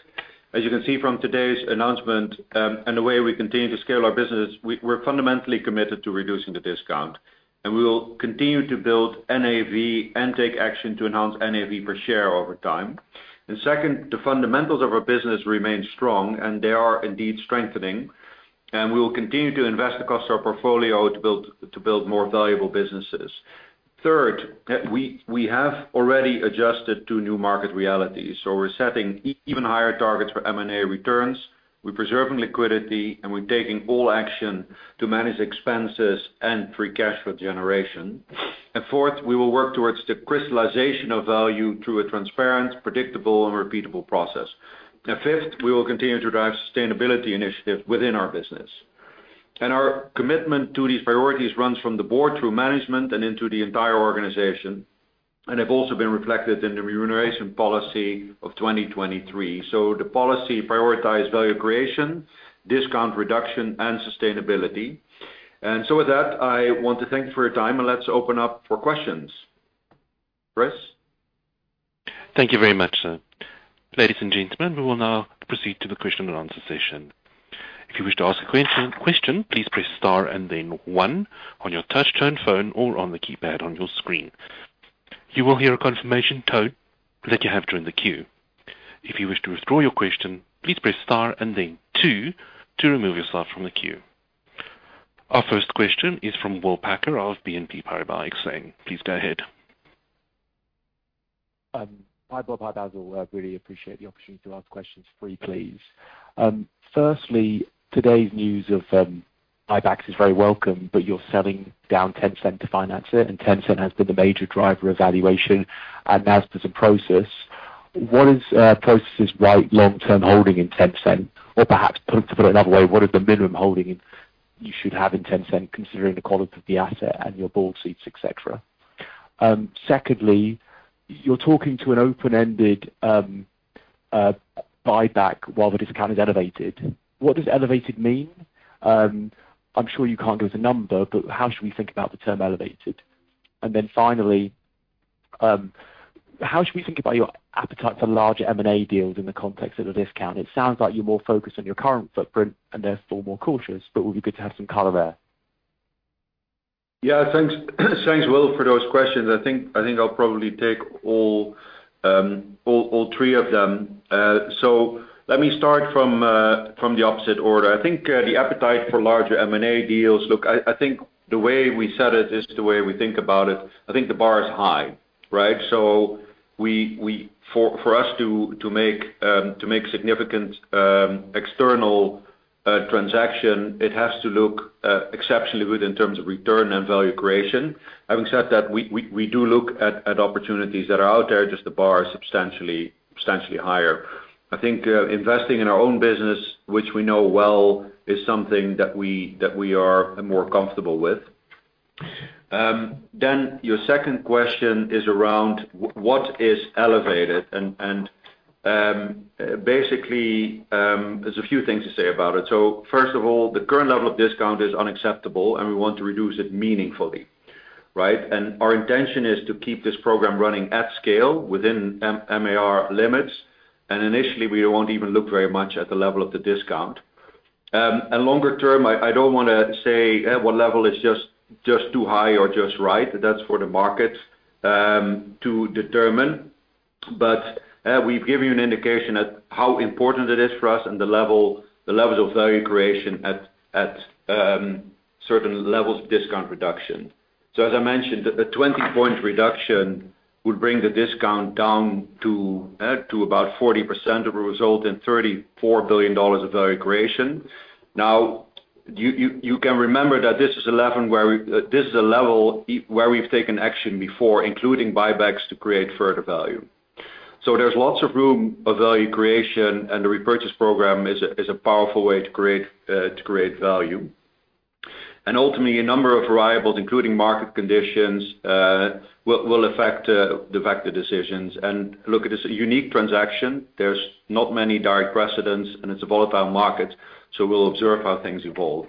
as you can see from today's announcement, and the way we continue to scale our business, we're fundamentally committed to reducing the discount, and we will continue to build NAV and take action to enhance NAV per share over time. Second, the fundamentals of our business remain strong, and they are indeed strengthening. We will continue to invest across our portfolio to build more valuable businesses. Third, we have already adjusted to new market realities, so we're setting even higher targets for M&A returns, we're preserving liquidity, and we're taking all action to manage expenses and free cash flow generation. Fourth, we will work towards the crystallization of value through a transparent, predictable and repeatable process. Fifth, we will continue to drive sustainability initiatives within our business. Our commitment to these priorities runs from the board through management and into the entire organization, and have also been reflected in the remuneration policy of 2023. The policy prioritize value creation, discount reduction and sustainability. With that, I want to thank you for your time, and let's open up for questions. Chris? Thank you very much, sir. Ladies and gentlemen, we will now proceed to the question and answer session. If you wish to ask a question, please press star and then one on your touchtone phone or on the keypad on your screen. You will hear a confirmation tone that you have joined the queue. If you wish to withdraw your question, please press star and then two to remove yourself from the queue. Our first question is from William Packer of BNP Paribas Exane. Please go ahead. Hi, Bob. Hi, Basil. I really appreciate the opportunity to ask questions freely, please. Firstly, today's news of buybacks is very welcome, but you're selling down Tencent to finance it, and Tencent has been the major driver of valuation. As to Prosus, what is Prosus's right long-term holding in Tencent? Or perhaps put it another way, what is the minimum holding you should have in Tencent, considering the quality of the asset and your board seats, et cetera. Secondly, you're talking about an open-ended buyback while the discount is elevated. What does elevated mean? I'm sure you can't give us a number, but how should we think about the term elevated? Finally, how should we think about your appetite for larger M&A deals in the context of the discount? It sounds like you're more focused on your current footprint and therefore more cautious, but it would be good to have some color there. Yeah. Thanks, Will, for those questions. I think I'll probably take all three of them. Let me start from the opposite order. I think the appetite for larger M&A deals. Look, I think the way we said it is the way we think about it. I think the bar is high, right? We for us to make significant external transaction, it has to look exceptionally good in terms of return and value creation. Having said that, we do look at opportunities that are out there, just the bar is substantially higher. I think investing in our own business, which we know well, is something that we are more comfortable with. Then your second question is around what is elevated? Basically, there's a few things to say about it. First of all, the current level of discount is unacceptable, and we want to reduce it meaningfully, right? Our intention is to keep this program running at scale within MAR limits. Initially, we won't even look very much at the level of the discount. Longer term, I don't wanna say at what level is just too high or just right. That's for the markets to determine. We've given you an indication of how important it is for us and the levels of value creation at certain levels of discount reduction. As I mentioned, the 20-point reduction would bring the discount down to about 40%, it will result in $34 billion of value creation. Now, you can remember that this is a level where we've taken action before, including buybacks to create further value. There's lots of room for value creation, and the repurchase program is a powerful way to create value. Ultimately, a number of variables, including market conditions, will affect the final decisions. Look, it is a unique transaction. There's not many direct precedents, and it's a volatile market, so we'll observe how things evolve.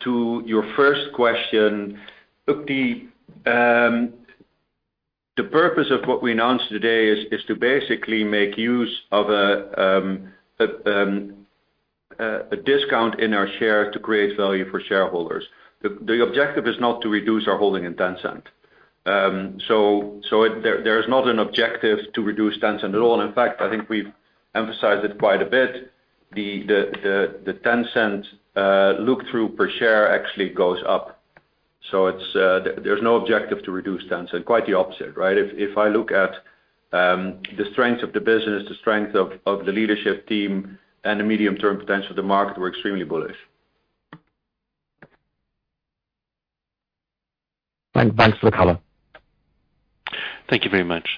To your first question. Look, the purpose of what we announced today is to basically make use of a discount in our share to create value for shareholders. The objective is not to reduce our holding in Tencent. So it There is not an objective to reduce Tencent at all. In fact, I think we've emphasized it quite a bit. The Tencent look-through per share actually goes up. It's, there's no objective to reduce Tencent. Quite the opposite, right? If I look at the strength of the business, the strength of the leadership team and the medium-term potential of the market, we're extremely bullish. Thanks for the color. Thank you very much.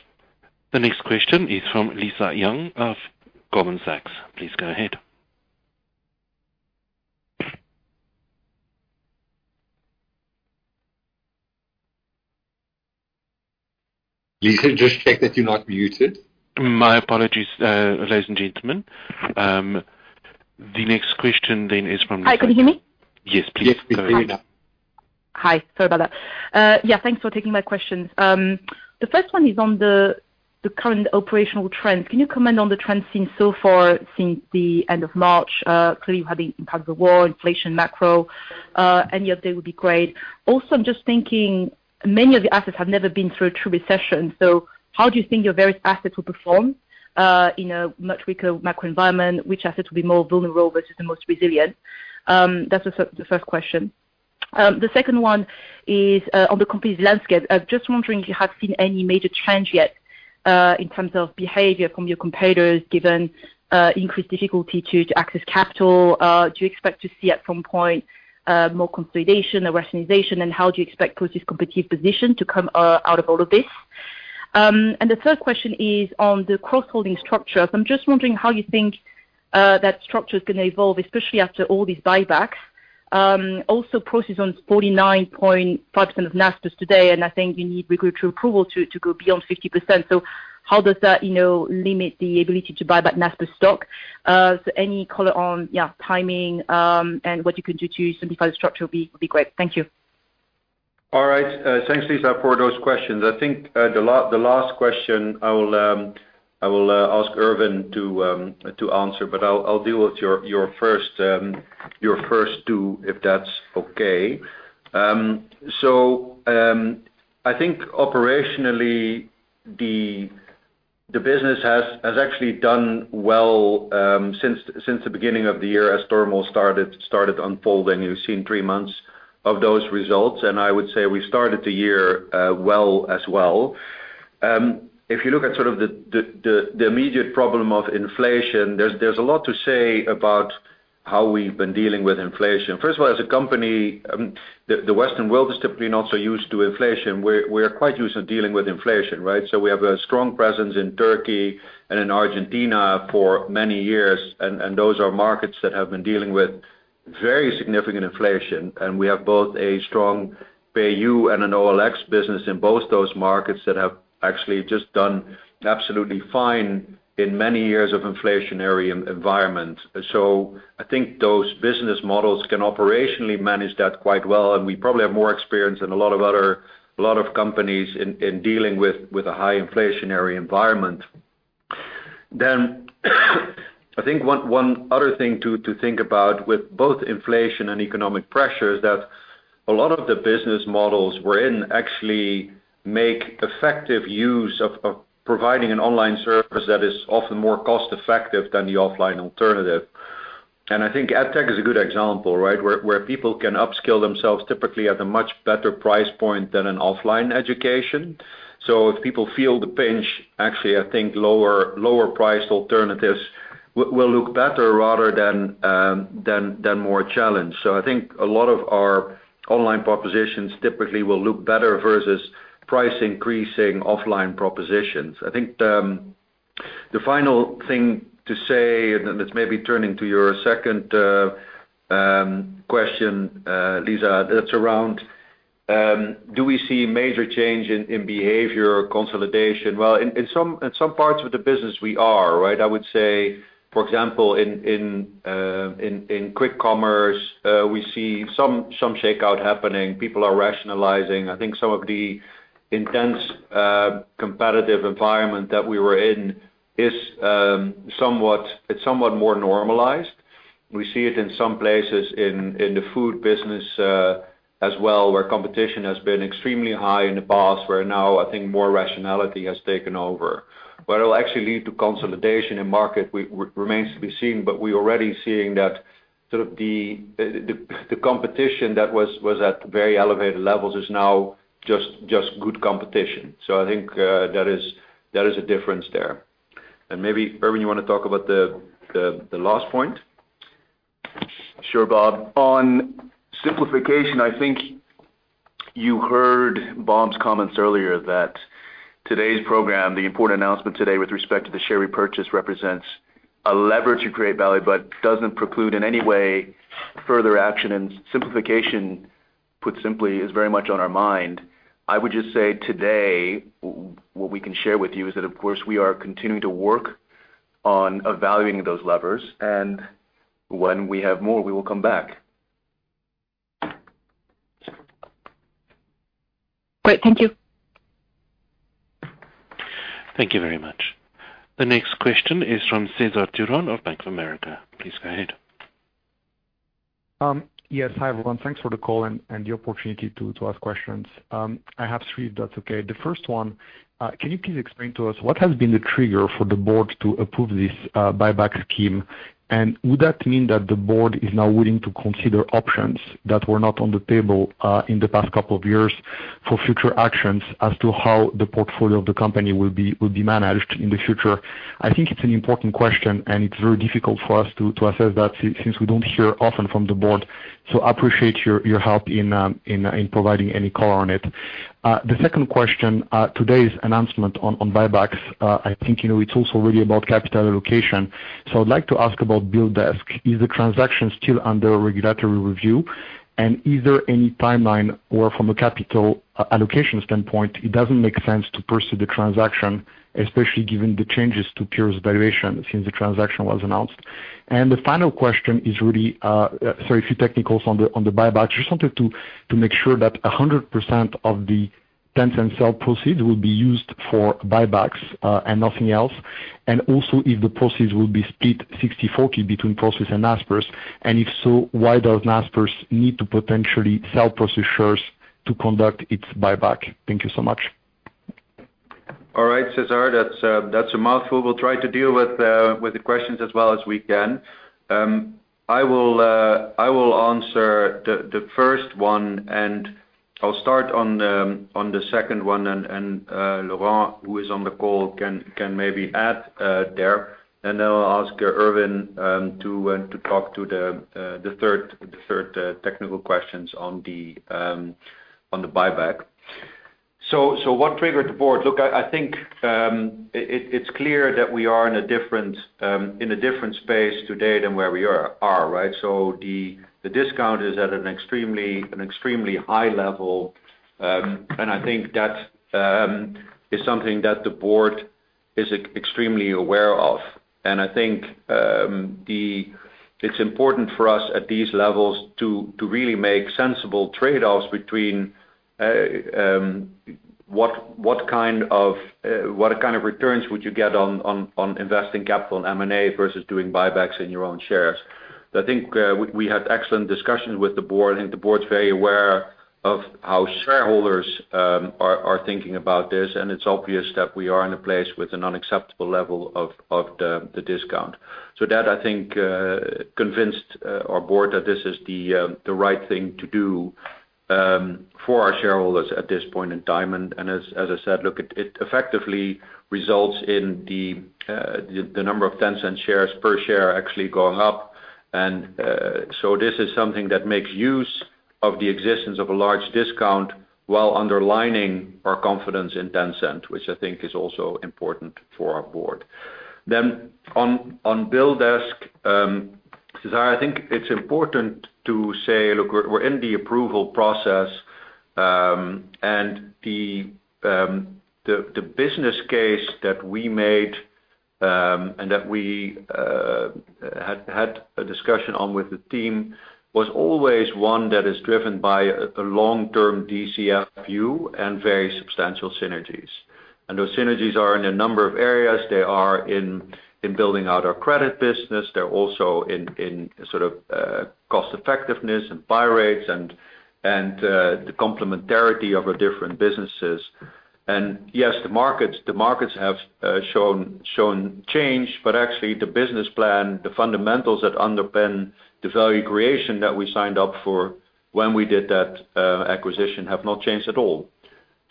The next question is from Lisa Yang of Goldman Sachs. Please go ahead. Lisa, just check that you're not muted. My apologies, ladies and gentlemen. The next question is from- Hi, can you hear me? Yes, please. Yes, we can hear you now. Hi. Sorry about that. Yeah, thanks for taking my questions. The first one is on the current operational trends. Can you comment on the trends seen so far since the end of March? Clearly you've had the war, inflation, macro, any update would be great. Also, I'm just thinking, many of the assets have never been through a true recession, so how do you think your various assets will perform in a much weaker macro environment? Which assets will be more vulnerable versus the most resilient? That's the first question. The second one is on the competitive landscape. I was just wondering if you have seen any major trends yet in terms of behavior from your competitors, given increased difficulty to access capital. Do you expect to see at some point more consolidation or rationalization, and how do you expect Prosus' competitive position to come out of all of this? The third question is on the cross-holding structure. I'm just wondering how you think that structure is gonna evolve, especially after all these buybacks. Also Prosus owns 49.5% of Naspers today, and I think you need regulatory approval to go beyond 50%. How does that, you know, limit the ability to buy back Naspers stock? Any color on, yeah, timing, and what you can do to simplify the structure would be great. Thank you. All right. Thanks, Lisa, for those questions. I think the last question I will ask Ervin to answer, but I'll deal with your first two, if that's okay. I think operationally the business has actually done well since the beginning of the year as the storm started unfolding. You've seen three months of those results, and I would say we started the year well as well. If you look at sort of the immediate problem of inflation, there's a lot to say about how we've been dealing with inflation. First of all, as a company, the Western world is typically not so used to inflation. We are quite used to dealing with inflation, right? We have a strong presence in Turkey and in Argentina for many years, and those are markets that have been dealing with very significant inflation. We have both a strong PayU and an OLX business in both those markets that have actually just done absolutely fine in many years of inflationary environment. I think those business models can operationally manage that quite well, and we probably have more experience than a lot of other companies in dealing with a high inflationary environment. I think one other thing to think about with both inflation and economic pressure is that a lot of the business models we're in actually make effective use of providing an online service that is often more cost effective than the offline alternative. I think AdTech is a good example, right? Where people can upskill themselves typically at a much better price point than an offline education. If people feel the pinch, actually, I think lower priced alternatives will look better rather than more challenged. I think a lot of our online propositions typically will look better versus price increasing offline propositions. I think the final thing to say, and let's maybe turn to your second question, Lisa, that's around do we see major change in behavior or consolidation? Well, in some parts of the business, we are, right? I would say, for example, in quick commerce, we see some shakeout happening. People are rationalizing. I think some of the intense competitive environment that we were in is somewhat more normalized. We see it in some places in the food business, as well, where competition has been extremely high in the past, where now I think more rationality has taken over. It will actually lead to consolidation in market which remains to be seen, but we're already seeing that sort of the competition that was at very elevated levels is now just good competition. I think there is a difference there. Maybe, Ervin, you wanna talk about the last point? Sure, Bob. On simplification, I think you heard Bob's comments earlier that today's program, the important announcement today with respect to the share repurchase, represents a lever to create value, but doesn't preclude in any way further action. Simplification, put simply, is very much on our mind. I would just say today, what we can share with you is that, of course, we are continuing to work on evaluating those levers, and when we have more, we will come back. Great. Thank you. Thank you very much. The next question is from Cesar Tiron of Bank of America. Please go ahead. Yes. Hi, everyone. Thanks for the call and the opportunity to ask questions. I have three if that's okay. The first one, can you please explain to us what has been the trigger for the board to approve this buyback scheme? And would that mean that the board is now willing to consider options that were not on the table in the past couple of years for future actions as to how the portfolio of the company will be managed in the future? I think it's an important question, and it's very difficult for us to assess that since we don't hear often from the board. I appreciate your help in providing any color on it. The second question, today's announcement on buybacks, I think, you know, it's also really about capital allocation. I'd like to ask about BillDesk. Is the transaction still under regulatory review? And is there any timeline where from a capital allocation standpoint, it doesn't make sense to pursue the transaction, especially given the changes to Prosus's valuation since the transaction was announced? The final question is really sorry, a few technicals on the buyback. Just wanted to make sure that 100% of the Tencent sell proceeds will be used for buybacks, and nothing else. Also, if the proceeds will be split 60/40 between Prosus and Naspers, and if so, why does Naspers need to potentially sell Prosus shares to conduct its buyback? Thank you so much. All right, Cesar, that's a mouthful. We'll try to deal with the questions as well as we can. I will answer the first one, and I'll start on the second one and Laurent, who is on the call, can maybe add there. Then I'll ask Ervin to talk to the third technical questions on the buyback. What triggered the board? Look, I think it's clear that we are in a different space today than where we are, right? The discount is at an extremely high level. I think that is something that the board is extremely aware of. I think the It's important for us at these levels to really make sensible trade-offs between what kind of returns would you get on investing capital in M&A versus doing buybacks in your own shares. I think we had excellent discussions with the board, and the board is very aware of how shareholders are thinking about this, and it's obvious that we are in a place with an unacceptable level of the discount. That I think convinced our board that this is the right thing to do for our shareholders at this point in time. As I said, look, it effectively results in the number of Tencent shares per share actually going up. This is something that makes use of the existence of a large discount while underlining our confidence in Tencent, which I think is also important for our board. On BillDesk, Cesar, I think it's important to say, look, we're in the approval process, and the business case that we made, and that we had a discussion on with the team was always one that is driven by a long-term DCF view and very substantial synergies. Those synergies are in a number of areas. They are in building out our credit business. They're also in sort of cost effectiveness and buy rates and the complementarity of our different businesses. Yes, the markets have shown change, but actually the business plan, the fundamentals that underpin the value creation that we signed up for when we did that acquisition have not changed at all.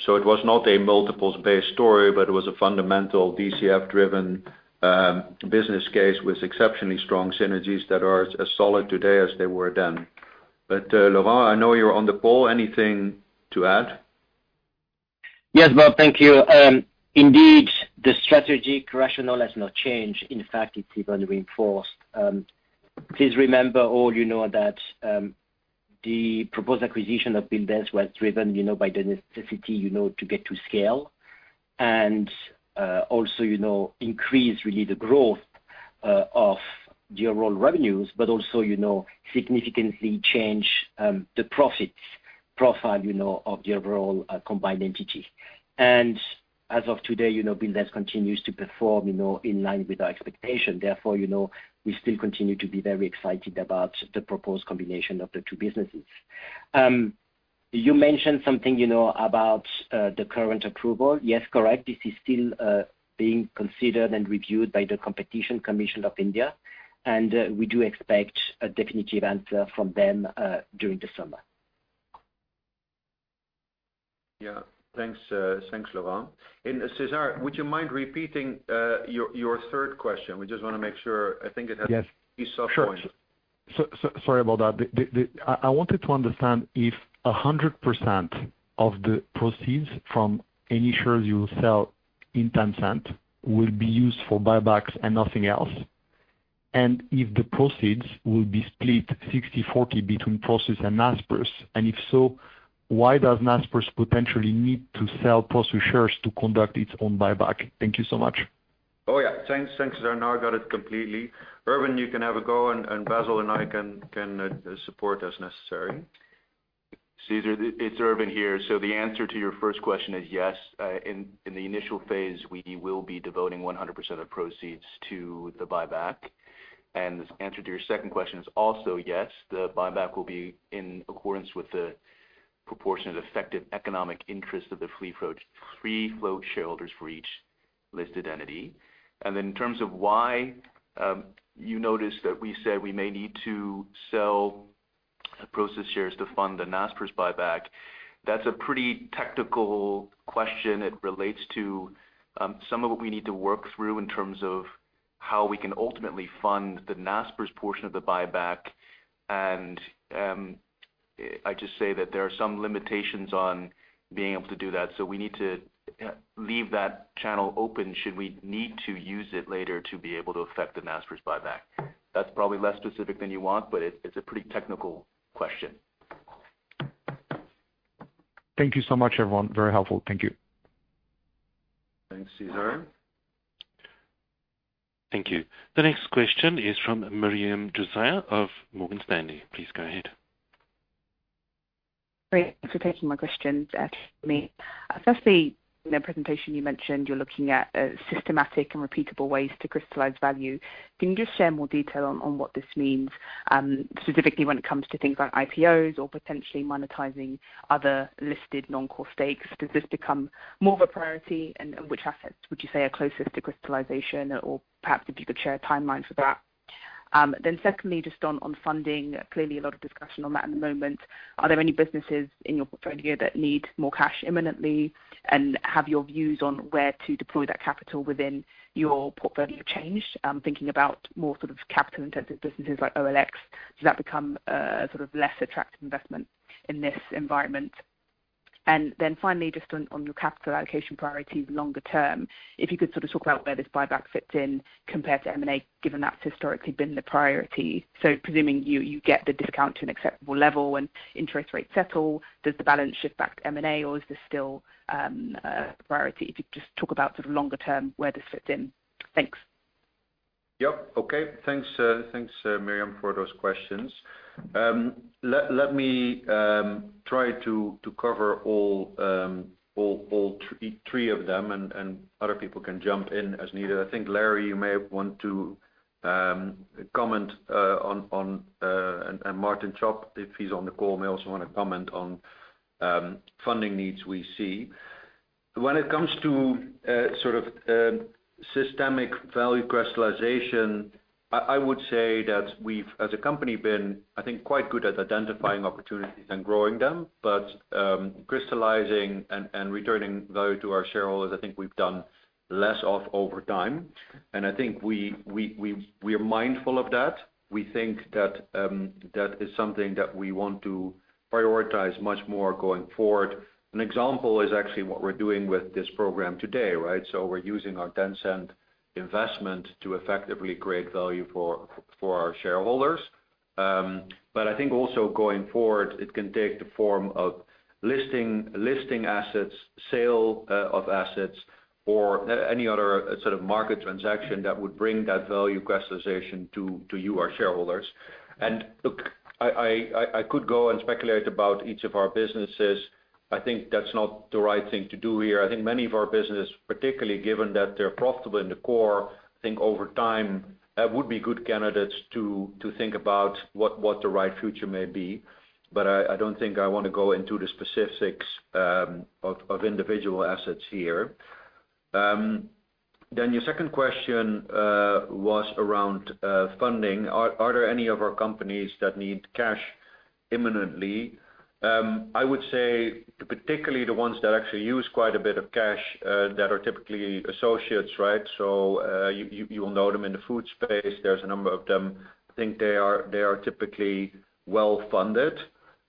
It was not a multiples-based story, but it was a fundamental DCF-driven business case with exceptionally strong synergies that are as solid today as they were then. Laurent, I know you're on the call. Anything to add? Yes, Bob, thank you. Indeed, the strategy rationale has not changed. In fact, it's even reinforced. Please remember all you know that the proposed acquisition of BillDesk was driven, you know, by the necessity, you know, to get to scale and also, you know, increase really the growth of the overall revenues, but also, you know, significantly change the profits profile, you know, of the overall combined entity. As of today, you know, BillDesk continues to perform, you know, in line with our expectation. Therefore, you know, we still continue to be very excited about the proposed combination of the two businesses. You mentioned something, you know, about the current approval. Yes, correct. This is still being considered and reviewed by the Competition Commission of India, and we do expect a definitive answer from them during the summer. Yeah. Thanks. Thanks, Laurent. Cesar, would you mind repeating your third question? We just wanna make sure. I think it has. Yes. some points. Sure. Sorry about that. I wanted to understand if 100% of the proceeds from any shares you sell in Tencent will be used for buybacks and nothing else, and if the proceeds will be split 60/40 between Prosus and Naspers, and if so, why does Naspers potentially need to sell Prosus shares to conduct its own buyback? Thank you so much. Oh, yeah. Thanks. Thanks, Cesar. Now I got it completely. Ervin, you can have a go, and Basil and I can support as necessary. Cesar, it's Ervin here. The answer to your first question is yes. In the initial phase, we will be devoting 100% of proceeds to the buyback. The answer to your second question is also yes. The buyback will be in accordance with the proportionate effective economic interest of the free float shareholders for each listed entity. In terms of why you noticed that we said we may need to sell Prosus shares to fund the Naspers buyback, that's a pretty technical question. It relates to some of what we need to work through in terms of how we can ultimately fund the Naspers portion of the buyback. I just say that there are some limitations on being able to do that, so we need to leave that channel open should we need to use it later to be able to affect the Naspers buyback. That's probably less specific than you want, but it's a pretty technical question. Thank you so much, everyone. Very helpful. Thank you. Thanks, Cesar. Thank you. The next question is from Miriam Adetoro of Morgan Stanley. Please go ahead. Great. Thanks for taking my questions for me. Firstly, in the presentation you mentioned you're looking at systematic and repeatable ways to crystallize value. Can you just share more detail on what this means, specifically when it comes to things like IPOs or potentially monetizing other listed non-core stakes? Does this become more of a priority? Which assets would you say are closest to crystallization? Or perhaps if you could share a timeline for that. Secondly, just on funding. Clearly a lot of discussion on that at the moment. Are there any businesses in your portfolio that need more cash imminently? Have your views on where to deploy that capital within your portfolio changed? I'm thinking about more sort of capital-intensive businesses like OLX. Does that become a sort of less attractive investment in this environment? Finally, just on your capital allocation priorities longer term, if you could sort of talk about where this buyback fits in compared to M&A, given that's historically been the priority. Presuming you get the discount to an acceptable level when interest rates settle, does the balance shift back to M&A, or is this still a priority? If you could just talk about sort of longer term, where this fits in. Thanks. Yep. Okay. Thanks, Miriam, for those questions. Let me try to cover all three of them and other people can jump in as needed. I think, Larry, you may want to comment on, and Martin Scheepbouwer, if he's on the call, may also want to comment on funding needs we see. When it comes to sort of systemic value crystallization, I would say that we've, as a company, been, I think, quite good at identifying opportunities and growing them. Crystallizing and returning value to our shareholders, I think we've done less of over time. I think we are mindful of that. We think that that is something that we want to prioritize much more going forward. An example is actually what we're doing with this program today, right? We're using our Tencent investment to effectively create value for our shareholders. I think also going forward, it can take the form of listing assets, sale of assets or any other sort of market transaction that would bring that value crystallization to you, our shareholders. Look, I could go and speculate about each of our businesses. I think that's not the right thing to do here. I think many of our business, particularly given that they're profitable in the core, I think over time, would be good candidates to think about what the right future may be. I don't think I want to go into the specifics of individual assets here. Your second question was around funding. Are there any of our companies that need cash imminently? I would say particularly the ones that actually use quite a bit of cash, that are typically associates, right? You will know them in the food space. There's a number of them. I think they are typically well-funded.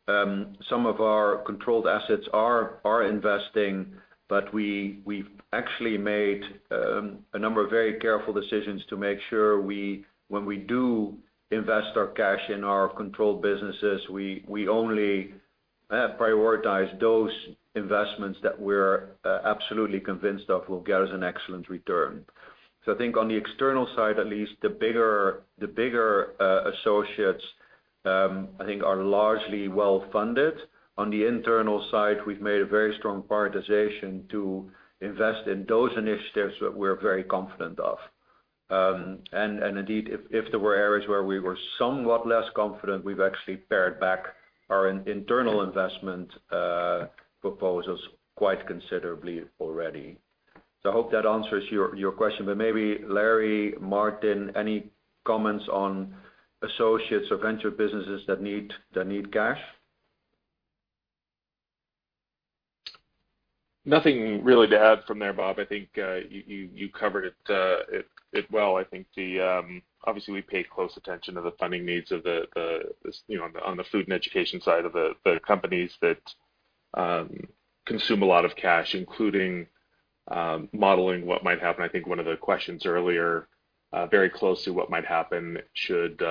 Some of our controlled assets are investing, but we've actually made a number of very careful decisions to make sure when we do invest our cash in our controlled businesses, we only prioritize those investments that we're absolutely convinced of will get us an excellent return. I think on the external side, at least, the bigger associates, I think are largely well-funded. On the internal side, we've made a very strong prioritization to invest in those initiatives that we're very confident of. Indeed, if there were areas where we were somewhat less confident, we've actually pared back our internal investment proposals quite considerably already. I hope that answers your question. Maybe Larry, Martin, any comments on associates or venture businesses that need cash? Nothing really to add from there, Bob. I think you covered it well. I think obviously we pay close attention to the funding needs of the, you know, on the food and education side of the companies that consume a lot of cash, including modeling what might happen. I think one of the questions earlier very close to what might happen should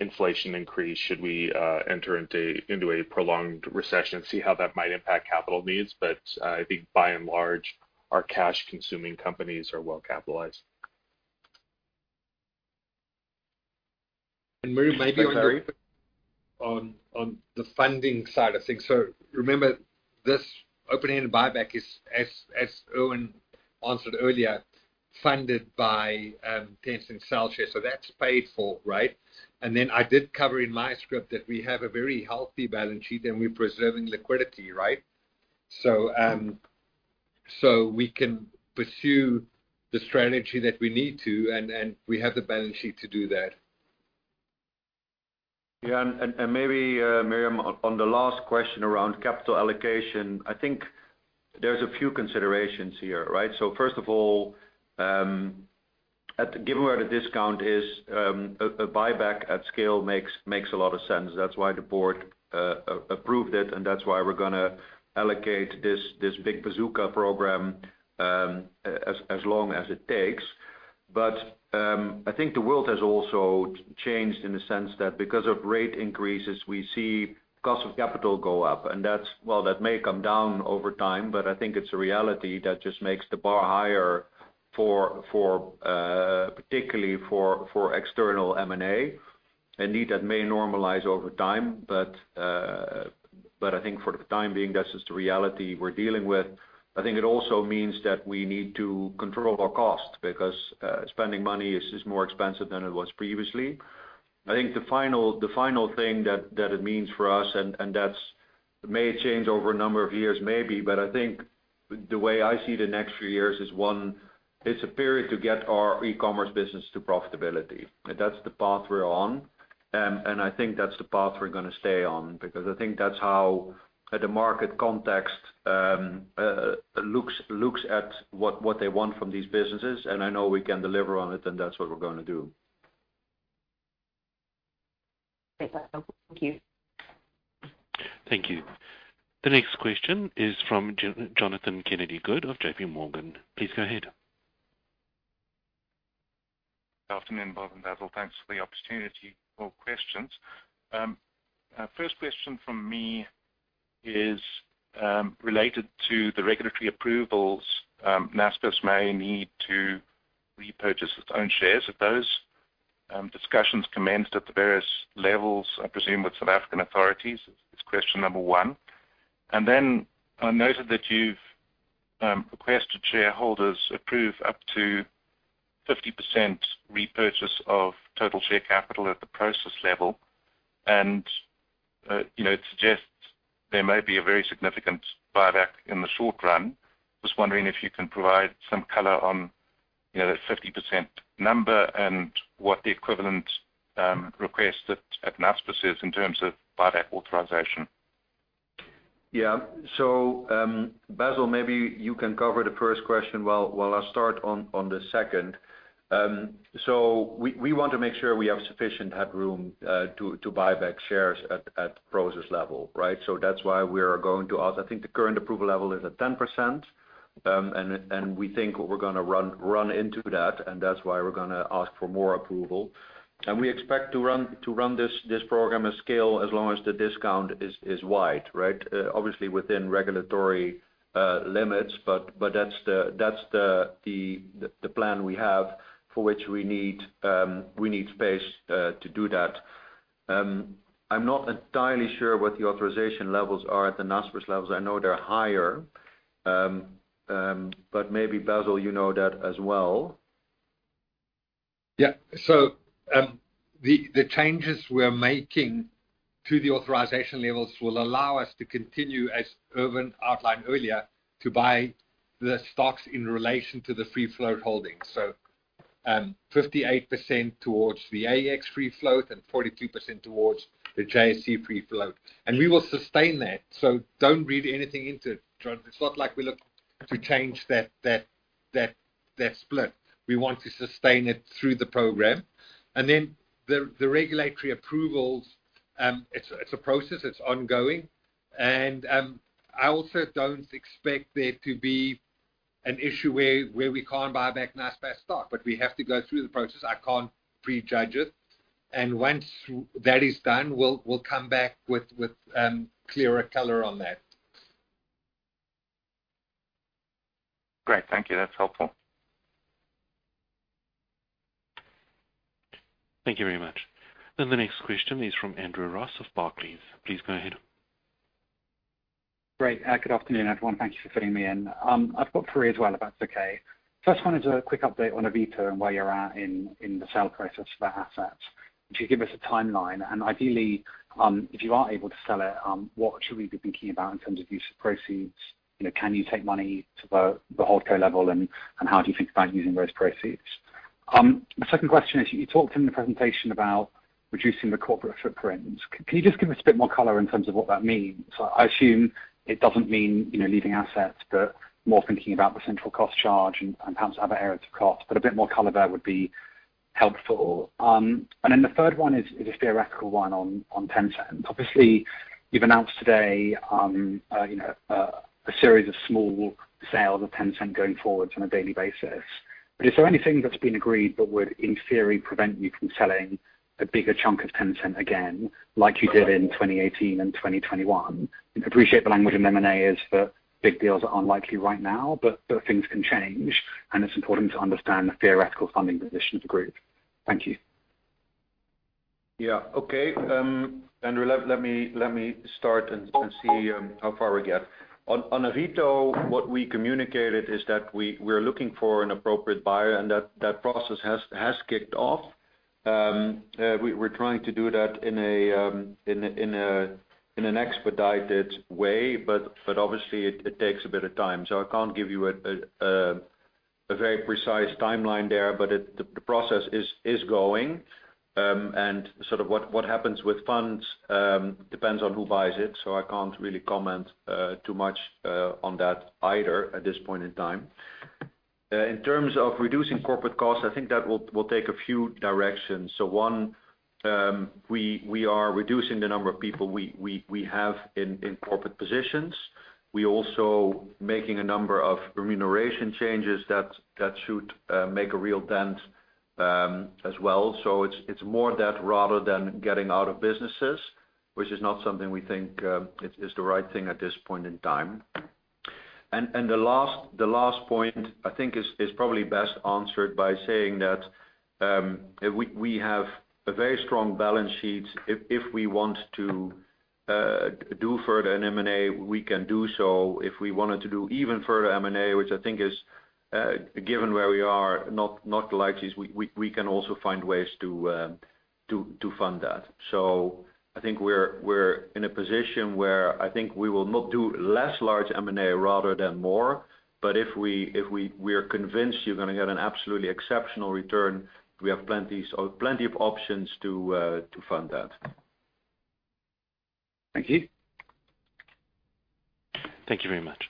inflation increase, should we enter into a prolonged recession, see how that might impact capital needs. I think by and large, our cash consuming companies are well capitalized. Maybe on the funding side of things. Remember, this open-ended buyback is, as Ervin Ryan answered earlier, funded by Tencent share sale. That's paid for, right? Then I did cover in my script that we have a very healthy balance sheet, and we're preserving liquidity, right? We can pursue the strategy that we need to, and we have the balance sheet to do that. Yeah. Maybe Miriam, on the last question around capital allocation, I think there's a few considerations here, right? First of all, given where the discount is, a buyback at scale makes a lot of sense. That's why the board approved it, and that's why we're gonna allocate this big bazooka program, as long as it takes. I think the world has also changed in the sense that because of rate increases, we see cost of capital go up. That's well, that may come down over time, but I think it's a reality that just makes the bar higher for particularly for external M&A. Indeed, that may normalize over time. I think for the time being, that's just the reality we're dealing with. I think it also means that we need to control our costs because spending money is more expensive than it was previously. I think the final thing that it means for us, and that may change over a number of years, maybe, but I think the way I see the next few years is, one, it's a period to get our e-commerce business to profitability. That's the path we're on. I think that's the path we're going to stay on because I think that's how the market context looks at what they want from these businesses, and I know we can deliver on it, and that's what we're gonna do. Great. That's all. Thank you. Thank you. The next question is from Jonathan Kennedy-Good of J.P. Morgan. Please go ahead. Afternoon, Bob and Basil. Thanks for the opportunity for questions. First question from me is related to the regulatory approvals Naspers may need to repurchase its own shares. Have those discussions commenced at the various levels, I presume, with South African authorities? It's question number one. Then I noted that you've requested shareholders approve up to 50% repurchase of total share capital at the Prosus level. You know, it suggests there may be a very significant buyback in the short run. Just wondering if you can provide some color on, you know, that 50% number and what the equivalent request that at Naspers is in terms of buyback authorization. Yeah. Basil, maybe you can cover the first question while I start on the second. We want to make sure we have sufficient headroom to buy back shares at Prosus level, right? That's why we are going to ask. I think the current approval level is at 10%. We think we're gonna run into that, and that's why we're gonna ask for more approval. We expect to run this program at scale as long as the discount is wide, right? Obviously within regulatory limits, but that's the plan we have for which we need space to do that. I'm not entirely sure what the authorization levels are at the Naspers levels. I know they're higher, but maybe, Basil, you know that as well. Yeah. The changes we're making to the authorization levels will allow us to continue, as Ervin outlined earlier, to buy the stocks in relation to the free float holdings. 58% towards the AEX free float and 42% towards the JSE free float. We will sustain that, so don't read anything into it. It's not like we look to change that split. We want to sustain it through the program. The regulatory approvals, it's a process, it's ongoing. I also don't expect there to be an issue where we can't buy back Naspers stock, but we have to go through the process. I can't prejudge it. Once that is done, we'll come back with clearer color on that. Great. Thank you. That's helpful. Thank you very much. The next question is from Andrew Ross of Barclays. Please go ahead. Great. Good afternoon, everyone. Thank you for fitting me in. I've got three as well, if that's okay. First, wanted a quick update on Avito and where you're at in the sale process for that asset. Could you give us a timeline? Ideally, if you are able to sell it, what should we be thinking about in terms of use of proceeds? You know, can you take money to the holdco level, and how do you think about using those proceeds? The second question is, you talked in the presentation about reducing the corporate footprint. Can you just give us a bit more color in terms of what that means? I assume it doesn't mean, you know, leaving assets, but more thinking about the central cost charge and perhaps other areas of cost. A bit more color there would be helpful. And then the third one is a theoretical one on Tencent. Obviously, you've announced today, a series of small sales of Tencent going forwards on a daily basis. Is there anything that's been agreed but would, in theory, prevent you from selling a bigger chunk of Tencent again, like you did in 2018 and 2021? I appreciate the language in M&A is that big deals are unlikely right now, but things can change, and it's important to understand the theoretical funding position of the group. Thank you. Yeah. Okay. Andrew, let me start and see how far we get. On Avito, what we communicated is that we're looking for an appropriate buyer, and that process has kicked off. We're trying to do that in an expedited way, but obviously it takes a bit of time. I can't give you a very precise timeline there. The process is going. Sort of what happens with funds depends on who buys it, so I can't really comment too much on that either at this point in time. In terms of reducing corporate costs, I think that will take a few directions. One, we are reducing the number of people we have in corporate positions. We're also making a number of remuneration changes that should make a real dent as well. It's more that rather than getting out of businesses, which is not something we think is the right thing at this point in time. The last point, I think is probably best answered by saying that we have a very strong balance sheet. If we want to do further M&A, we can do so. If we wanted to do even further M&A, which I think, given where we are, is not the likeliest, we can also find ways to fund that. I think we're in a position where I think we will not do less large M&A rather than more, but if we're convinced you're gonna get an absolutely exceptional return, we have plenty of options to fund that. Thank you. Thank you very much.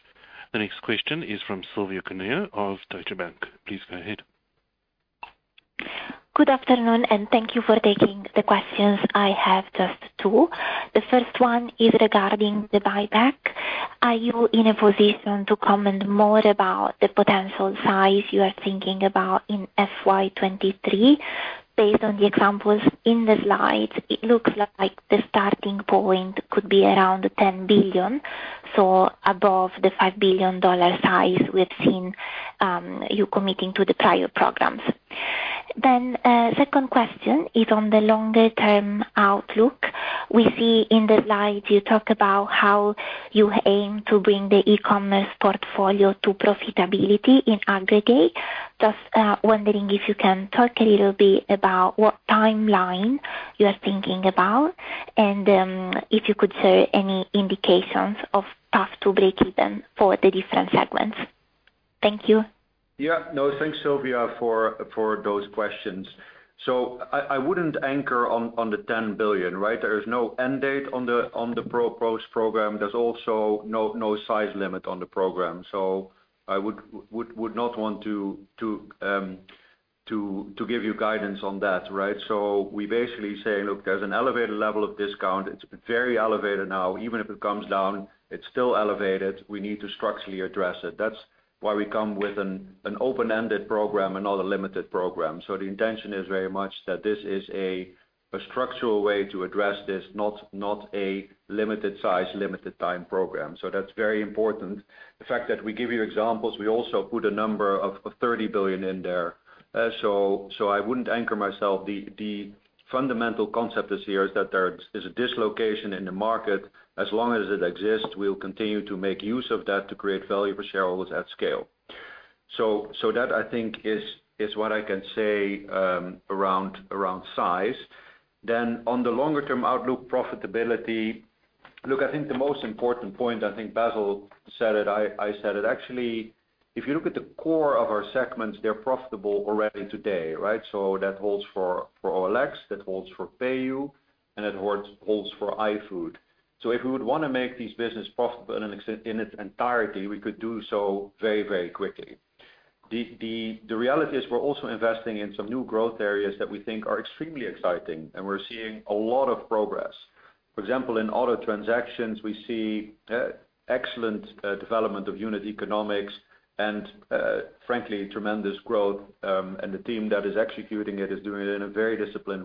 The next question is from Silvia Cuneo of Deutsche Bank. Please go ahead. Good afternoon, and thank you for taking the questions. I have just two. The first one is regarding the buyback. Are you in a position to comment more about the potential size you are thinking about in FY 2023? Based on the examples in the slide, it looks like the starting point could be around $10 billion, so above the $5 billion size we've seen you committing to the prior programs. Second question is on the longer term outlook. We see in the slide you talk about how you aim to bring the e-commerce portfolio to profitability in aggregate. Just wondering if you can talk a little bit about what timeline you are thinking about, and if you could share any indications of path to breakeven for the different segments. Thank you. Yeah. No, thanks, Silvia, for those questions. I wouldn't anchor on the $10 billion, right? There is no end date on the Prosus program. There's also no size limit on the program. I would not want to give you guidance on that, right? We basically say, look, there's an elevated level of discount. It's very elevated now. Even if it comes down, it's still elevated. We need to structurally address it. That's why we come with an open-ended program and not a limited program. The intention is very much that this is a structural way to address this, not a limited size, limited time program. That's very important. The fact that we give you examples, we also put a number of $30 billion in there. I wouldn't anchor myself. The fundamental concept this year is that there is a dislocation in the market. As long as it exists, we'll continue to make use of that to create value for shareholders at scale. That I think is what I can say around size. On the longer term outlook profitability, look, I think the most important point. I think Basil said it. I said it. Actually, if you look at the core of our segments, they're profitable already today, right? That holds for OLX, that holds for PayU, and it holds for iFood. If we would wanna make these business profitable in its entirety, we could do so very quickly. The reality is we're also investing in some new growth areas that we think are extremely exciting, and we're seeing a lot of progress. For example, in auto transactions, we see excellent development of unit economics and frankly, tremendous growth, and the team that is executing it is doing it in a very disciplined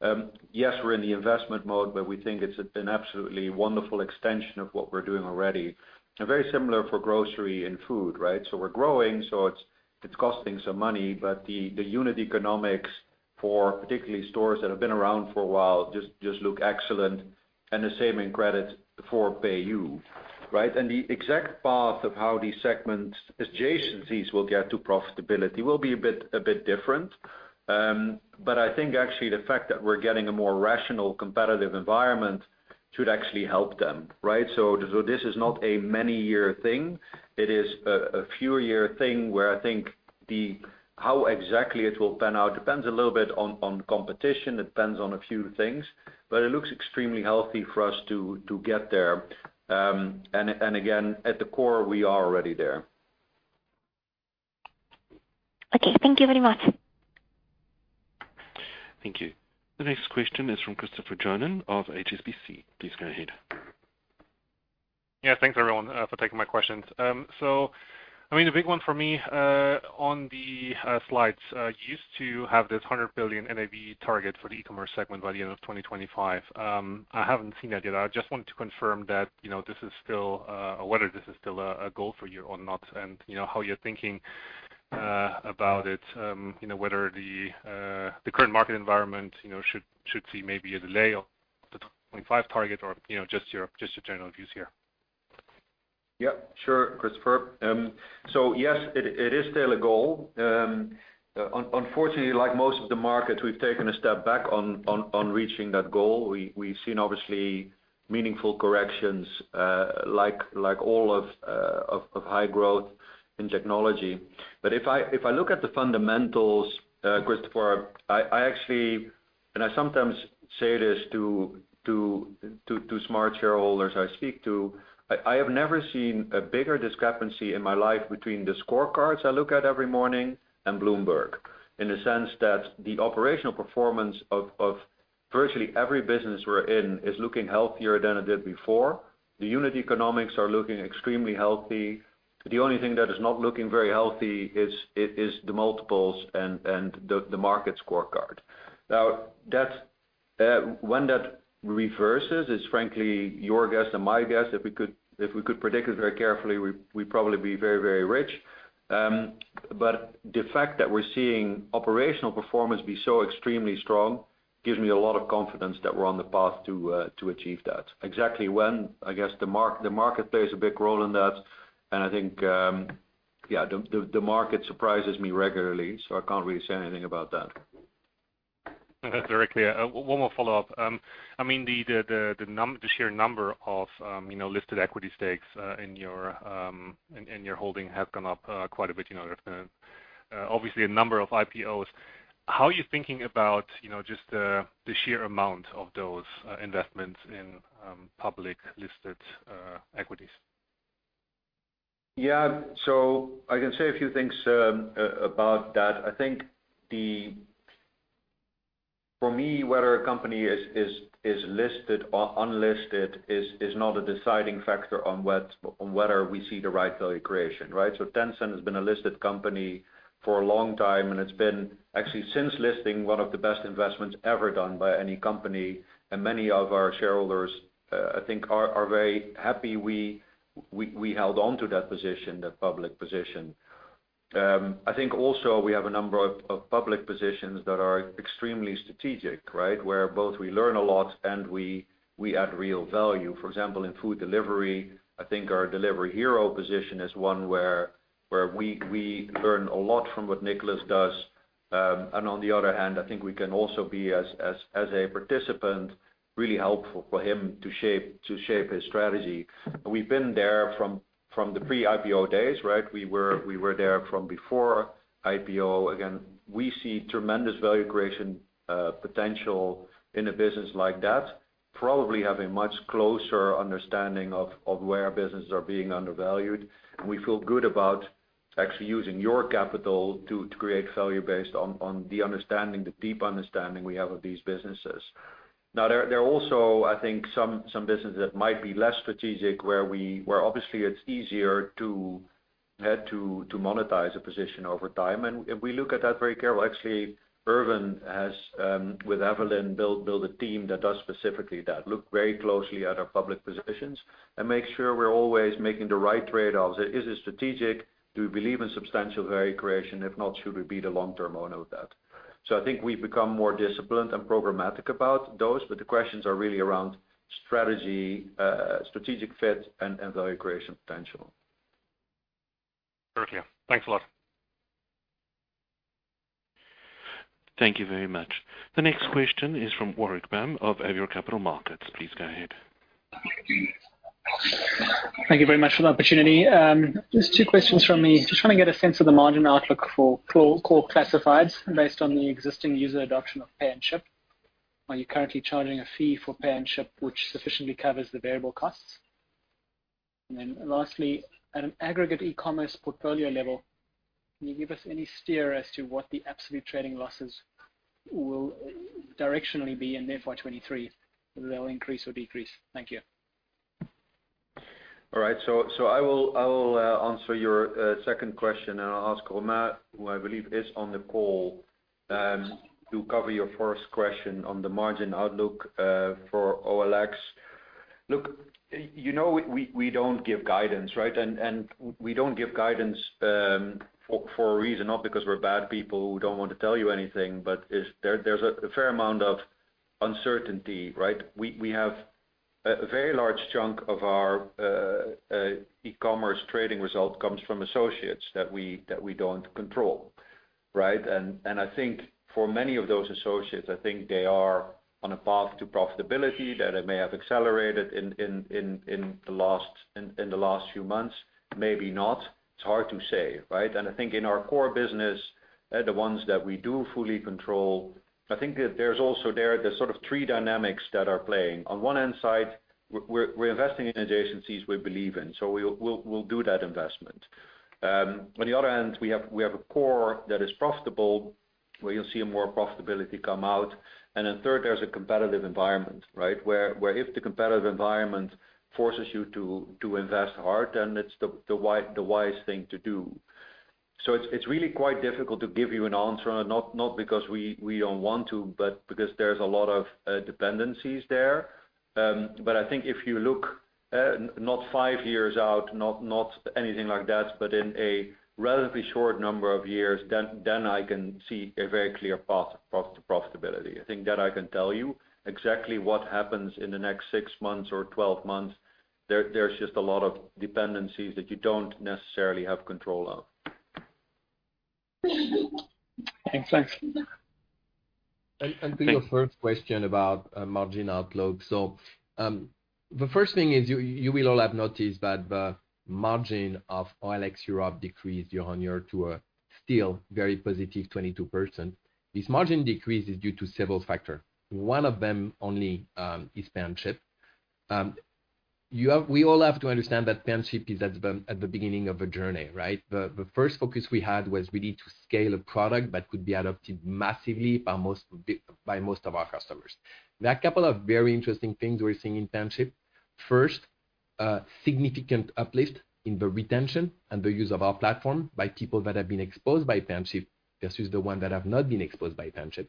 way. Yes, we're in the investment mode, but we think it's an absolutely wonderful extension of what we're doing already, and very similar for grocery and food, right? We're growing, so it's costing some money. But the unit economics for particularly stores that have been around for a while just look excellent, and the same in credit for PayU, right? The exact path of how these segments adjacencies will get to profitability will be a bit different. I think actually the fact that we're getting a more rational, competitive environment should actually help them, right? This is not a many year thing. It is a fewer year thing where I think how exactly it will pan out depends a little bit on competition. It depends on a few things, but it looks extremely healthy for us to get there. Again, at the core, we are already there. Okay, thank you very much. Thank you. The next question is from Christopher Johnen of HSBC. Please go ahead. Yeah, thanks everyone for taking my questions. So I mean, the big one for me, on the slides, you used to have this $100 billion NAV target for the e-commerce segment by the end of 2025. I haven't seen that yet. I just wanted to confirm that, you know, this is still, or whether this is still a goal for you or not, and, you know, how you're thinking about it, you know, whether the current market environment, you know, should see maybe a delay of the 2025 target or, you know, just your general views here. Yeah, sure, Christopher. So yes, it is still a goal. Unfortunately, like most of the market, we've taken a step back on reaching that goal. We've seen obviously meaningful corrections, like all of high growth in technology. If I look at the fundamentals, Christopher, I actually and I sometimes say this to smart shareholders I speak to, I have never seen a bigger discrepancy in my life between the scorecards I look at every morning and Bloomberg, in the sense that the operational performance of virtually every business we're in is looking healthier than it did before. The unit economics are looking extremely healthy. The only thing that is not looking very healthy is the multiples and the market scorecard. Now that when that reverses is frankly your guess and my guess. If we could predict it very carefully, we'd probably be very, very rich. The fact that we're seeing operational performance be so extremely strong gives me a lot of confidence that we're on the path to achieve that. Exactly when, I guess the market plays a big role in that, and I think, yeah, the market surprises me regularly, so I can't really say anything about that. That's very clear. One more follow-up. I mean, the sheer number of, you know, listed equity stakes in your holding have gone up quite a bit. You know, there's been obviously a number of IPOs. How are you thinking about, you know, just the sheer amount of those investments in public listed equities? Yeah. I can say a few things about that. I think. For me, whether a company is listed or unlisted is not a deciding factor on whether we see the right value creation, right? Tencent has been a listed company for a long time, and it's been actually since listing one of the best investments ever done by any company. Many of our shareholders, I think are very happy we held on to that position, that public position. I think also we have a number of public positions that are extremely strategic, right? Where both we learn a lot and we add real value. For example, in food delivery, I think our Delivery Hero position is one where we learn a lot from what Niklas does. On the other hand, I think we can also be as a participant, really helpful for him to shape his strategy. We've been there from the pre-IPO days, right? We were there from before IPO. Again, we see tremendous value creation, potential in a business like that, probably have a much closer understanding of where businesses are being undervalued, and we feel good about actually using your capital to create value based on the understanding, the deep understanding we have of these businesses. Now, there are also, I think, some businesses that might be less strategic, where obviously it's easier to monetize a position over time. We look at that very carefully. Actually, Irvin has with Evelyn built a team that does specifically that. Look very closely at our public positions and make sure we're always making the right trade-offs. Is it strategic? Do we believe in substantial value creation? If not, should we be the long term owner of that? I think we've become more disciplined and programmatic about those, but the questions are really around strategy, strategic fit and value creation potential. Thank you. Thanks a lot. Thank you very much. The next question is from Warwick Bam of Avior Capital Markets. Please go ahead. Thank you very much for the opportunity. Just two questions from me. Just trying to get a sense of the margin outlook for core classifieds based on the existing user adoption of Pay & Ship. Are you currently charging a fee for Pay & Ship which sufficiently covers the variable costs? Lastly, at an aggregate e-commerce portfolio level, can you give us any steer as to what the absolute trading losses will directionally be in the year 2023, will they increase or decrease? Thank you. All right. I will answer your second question, and I'll ask Romain, who I believe is on the call, to cover your first question on the margin outlook for OLX. Look, you know, we don't give guidance, right? We don't give guidance for a reason, not because we're bad people who don't want to tell you anything, but there's a fair amount of uncertainty, right? We have a very large chunk of our e-commerce trading result comes from associates that we don't control, right? I think for many of those associates, they are on a path to profitability that it may have accelerated in the last few months. Maybe not. It's hard to say, right? I think in our core business, the ones that we do fully control, I think that there's sort of three dynamics that are playing. On one hand side, we're investing in adjacencies we believe in. We'll do that investment. On the other hand, we have a core that is profitable, where you'll see more profitability come out. Third, there's a competitive environment, right? Where if the competitive environment forces you to invest hard, it's the wise thing to do. It's really quite difficult to give you an answer. Not because we don't want to, but because there's a lot of dependencies there. I think if you look not five years out, not anything like that, but in a relatively short number of years, then I can see a very clear path of profitability. I think that I can tell you exactly what happens in the next six months or 12 months. There's just a lot of dependencies that you don't necessarily have control of. Thanks. Thanks. To your first question about margin outlook. The first thing is you will all have noticed that the margin of OLX Europe decreased year-on-year to a still very positive 22%. This margin decrease is due to several factor. One of them only is Pay & Ship. We all have to understand that Pay & Ship is at the beginning of a journey, right? The first focus we had was we need to scale a product that could be adopted massively by most of our customers. There are a couple of very interesting things we're seeing in Pay & Ship. First, a significant uplift in the retention and the use of our platform by people that have been exposed by Pay & Ship versus the one that have not been exposed by Pay & Ship.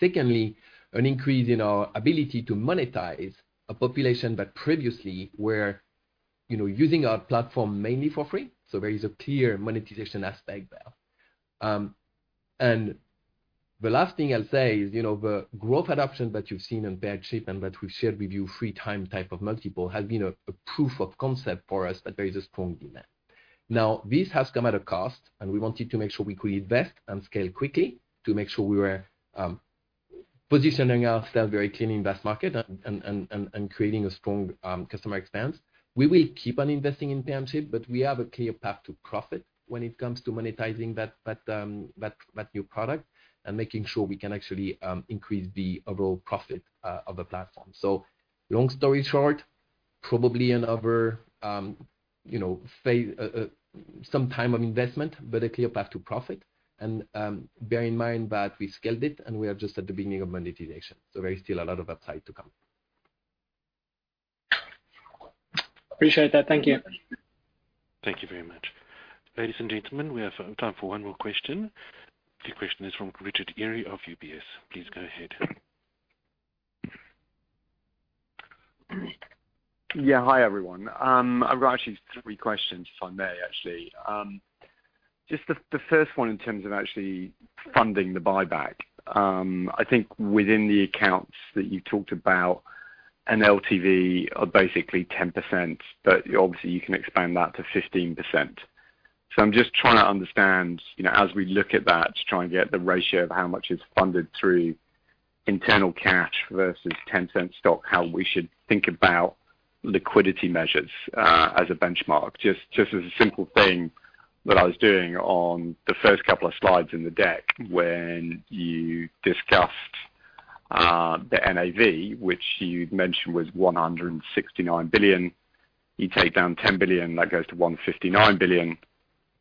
Secondly, an increase in our ability to monetize a population that previously were, you know, using our platform mainly for free. There is a clear monetization aspect there. The last thing I'll say is, you know, the growth adoption that you've seen in Pay & Ship and that we've shared with you from time to time the type of multiple has been a proof of concept for us that there is a strong demand. Now, this has come at a cost, and we wanted to make sure we could invest and scale quickly to make sure we were positioning ourselves very clearly in that market and creating a strong customer experience. We will keep on investing in Pay & Ship, but we have a clear path to profit when it comes to monetizing that new product and making sure we can actually increase the overall profit of the platform. Long story short, probably another, you know, some time of investment, but a clear path to profit. Bear in mind that we scaled it and we are just at the beginning of monetization, so there is still a lot of upside to come. Appreciate that. Thank you. Thank you very much. Ladies and gentlemen, we have time for one more question. The question is from Richard Dineen of UBS. Please go ahead. Yeah. Hi, everyone. I've actually three questions if I may actually. Just the first one in terms of actually funding the buyback. I think within the accounts that you talked about, an LTV of basically 10%, but obviously you can expand that to 15%. So I'm just trying to understand, you know, as we look at that, to try and get the ratio of how much is funded through internal cash versus Tencent stock, how we should think about liquidity measures, as a benchmark. Just as a simple thing that I was doing on the first couple of slides in the deck when you discussed, the NAV, which you'd mentioned was $169 billion. You take down $10 billion, that goes to $159 billion,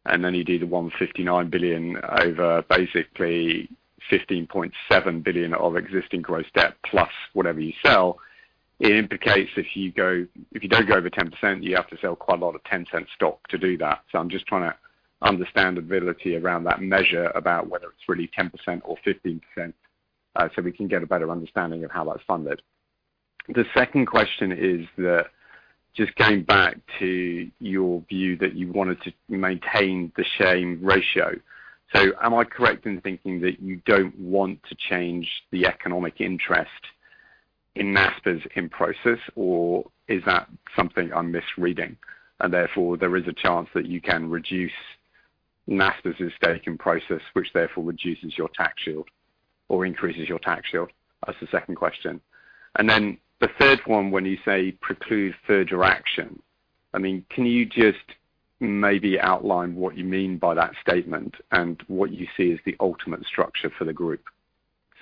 and then you do the $159 billion over basically $15.7 billion of existing gross debt plus whatever you sell. If you don't go over 10%, you have to sell quite a lot of Tencent stock to do that. I'm just trying to understand the validity around that measure about whether it's really 10% or 15%, so we can get a better understanding of how that's funded. The second question is that just going back to your view that you wanted to maintain the same ratio. Am I correct in thinking that you don't want to change the economic interest in Naspers in Prosus, or is that something I'm misreading and therefore there is a chance that you can reduce Naspers' stake in Prosus, which therefore reduces your tax shield or increases your tax shield? That's the second question. The third one, when you say precludes further action, I mean, can you just maybe outline what you mean by that statement and what you see as the ultimate structure for the group?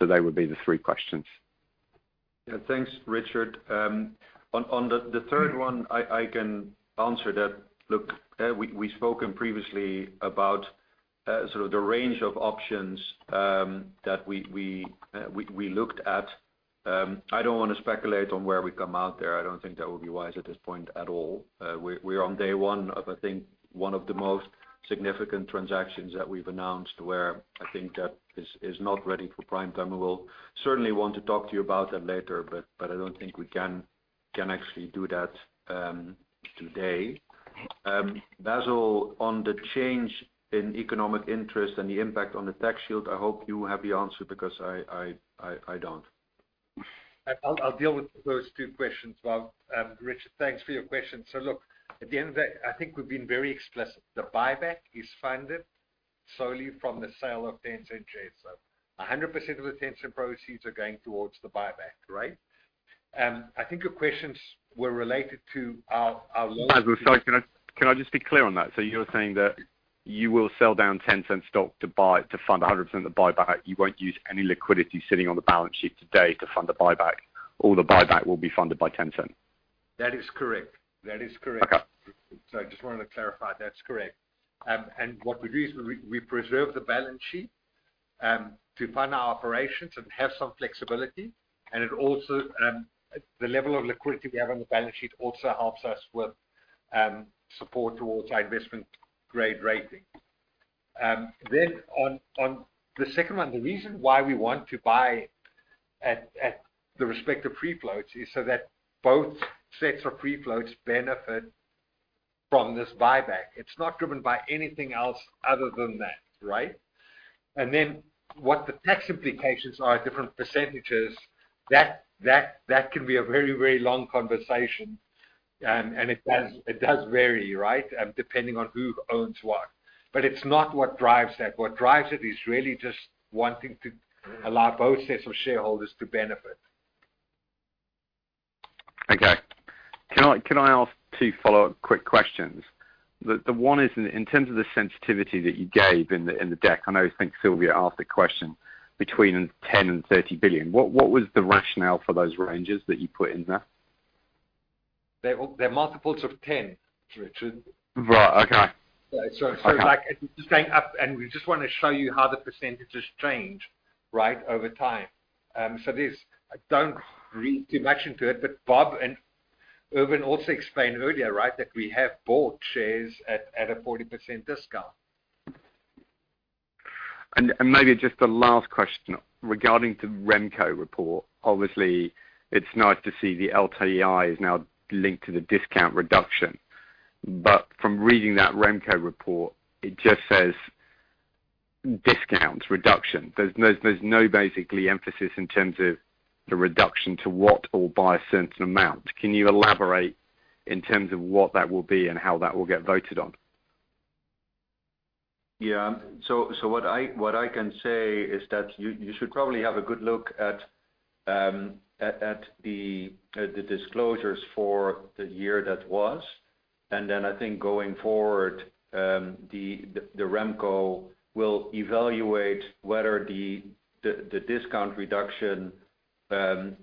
They would be the three questions. Yeah. Thanks, Richard Dineen. On the third one, I can answer that. Look, we've spoken previously about sort of the range of options that we looked at. I don't wanna speculate on where we come out there. I don't think that would be wise at this point at all. We're on day one of, I think, one of the most significant transactions that we've announced where I think that is not ready for prime time. We will certainly want to talk to you about that later, but I don't think we can actually do that today. Basil Sgourdos, on the change in economic interest and the impact on the tax shield, I hope you have the answer because I don't. I'll deal with those two questions, Bob. Richard, thanks for your question. Look, at the end of the day, I think we've been very explicit. The buyback is funded solely from the sale of Tencent shares. 100% of the Tencent proceeds are going towards the buyback, right? I think your questions were related to our long- Basil, sorry, can I just be clear on that? You're saying that you will sell down Tencent stock to fund 100% of the buyback. You won't use any liquidity sitting on the balance sheet today to fund the buyback. All the buyback will be funded by Tencent. That is correct. That is correct. Okay. I just wanted to clarify. That's correct. What we do is we preserve the balance sheet to fund our operations and have some flexibility. It also, the level of liquidity we have on the balance sheet also helps us with support towards our investment grade rating. On the second one, the reason why we want to buy at the respective free floats is so that both sets of free floats benefit from this buyback. It's not driven by anything else other than that, right? What the tax implications are at different percentages, that can be a very long conversation. It does vary, right? Depending on who owns what. It's not what drives that. What drives it is really just wanting to allow both sets of shareholders to benefit. Okay. Can I ask two follow-up quick questions? The one is in terms of the sensitivity that you gave in the deck. I know I think Silvia asked a question between 10 billion and 30 billion. What was the rationale for those ranges that you put in there? They're all multiples of 10, Richard. Right. Okay. Like it's just going up, and we just wanna show you how the percentages change, right, over time. There's. Don't read too much into it, but Bob and Ervin also explained earlier, right, that we have bought shares at a 40% discount. Maybe just a last question regarding the Remco report. Obviously, it's nice to see the LTI is now linked to the discount reduction. From reading that Remco report, it just says discounts reduction. There's no basically emphasis in terms of the reduction to what or by a certain amount. Can you elaborate in terms of what that will be and how that will get voted on? Yeah. What I can say is that you should probably have a good look at the disclosures for the year that was. I think going forward, the Remco will evaluate whether the discount reduction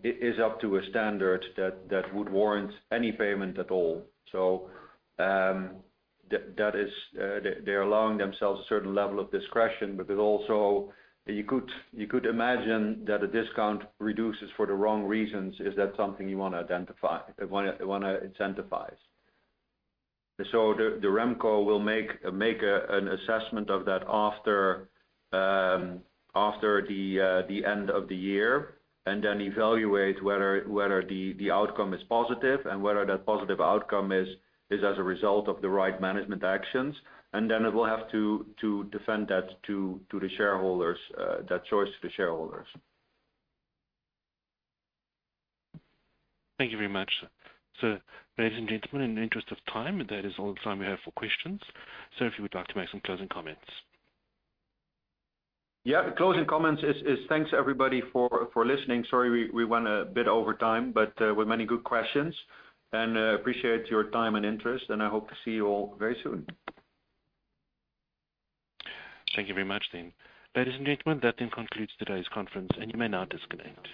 is up to a standard that would warrant any payment at all. That is, they're allowing themselves a certain level of discretion, but there's also. You could imagine that a discount reduces for the wrong reasons. Is that something you wanna identify? Wanna incentivize. The Remco will make an assessment of that after the end of the year and evaluate whether the outcome is positive and whether that positive outcome is as a result of the right management actions. It will have to defend that choice to the shareholders. Thank you very much, sir. Ladies and gentlemen, in the interest of time, that is all the time we have for questions. Sir, if you would like to make some closing comments. Yeah. Closing comments is thanks, everybody, for listening. Sorry we went a bit over time, but with many good questions. Appreciate your time and interest, and I hope to see you all very soon. Thank you very much then. Ladies and gentlemen, that then concludes today's conference, and you may now disconnect.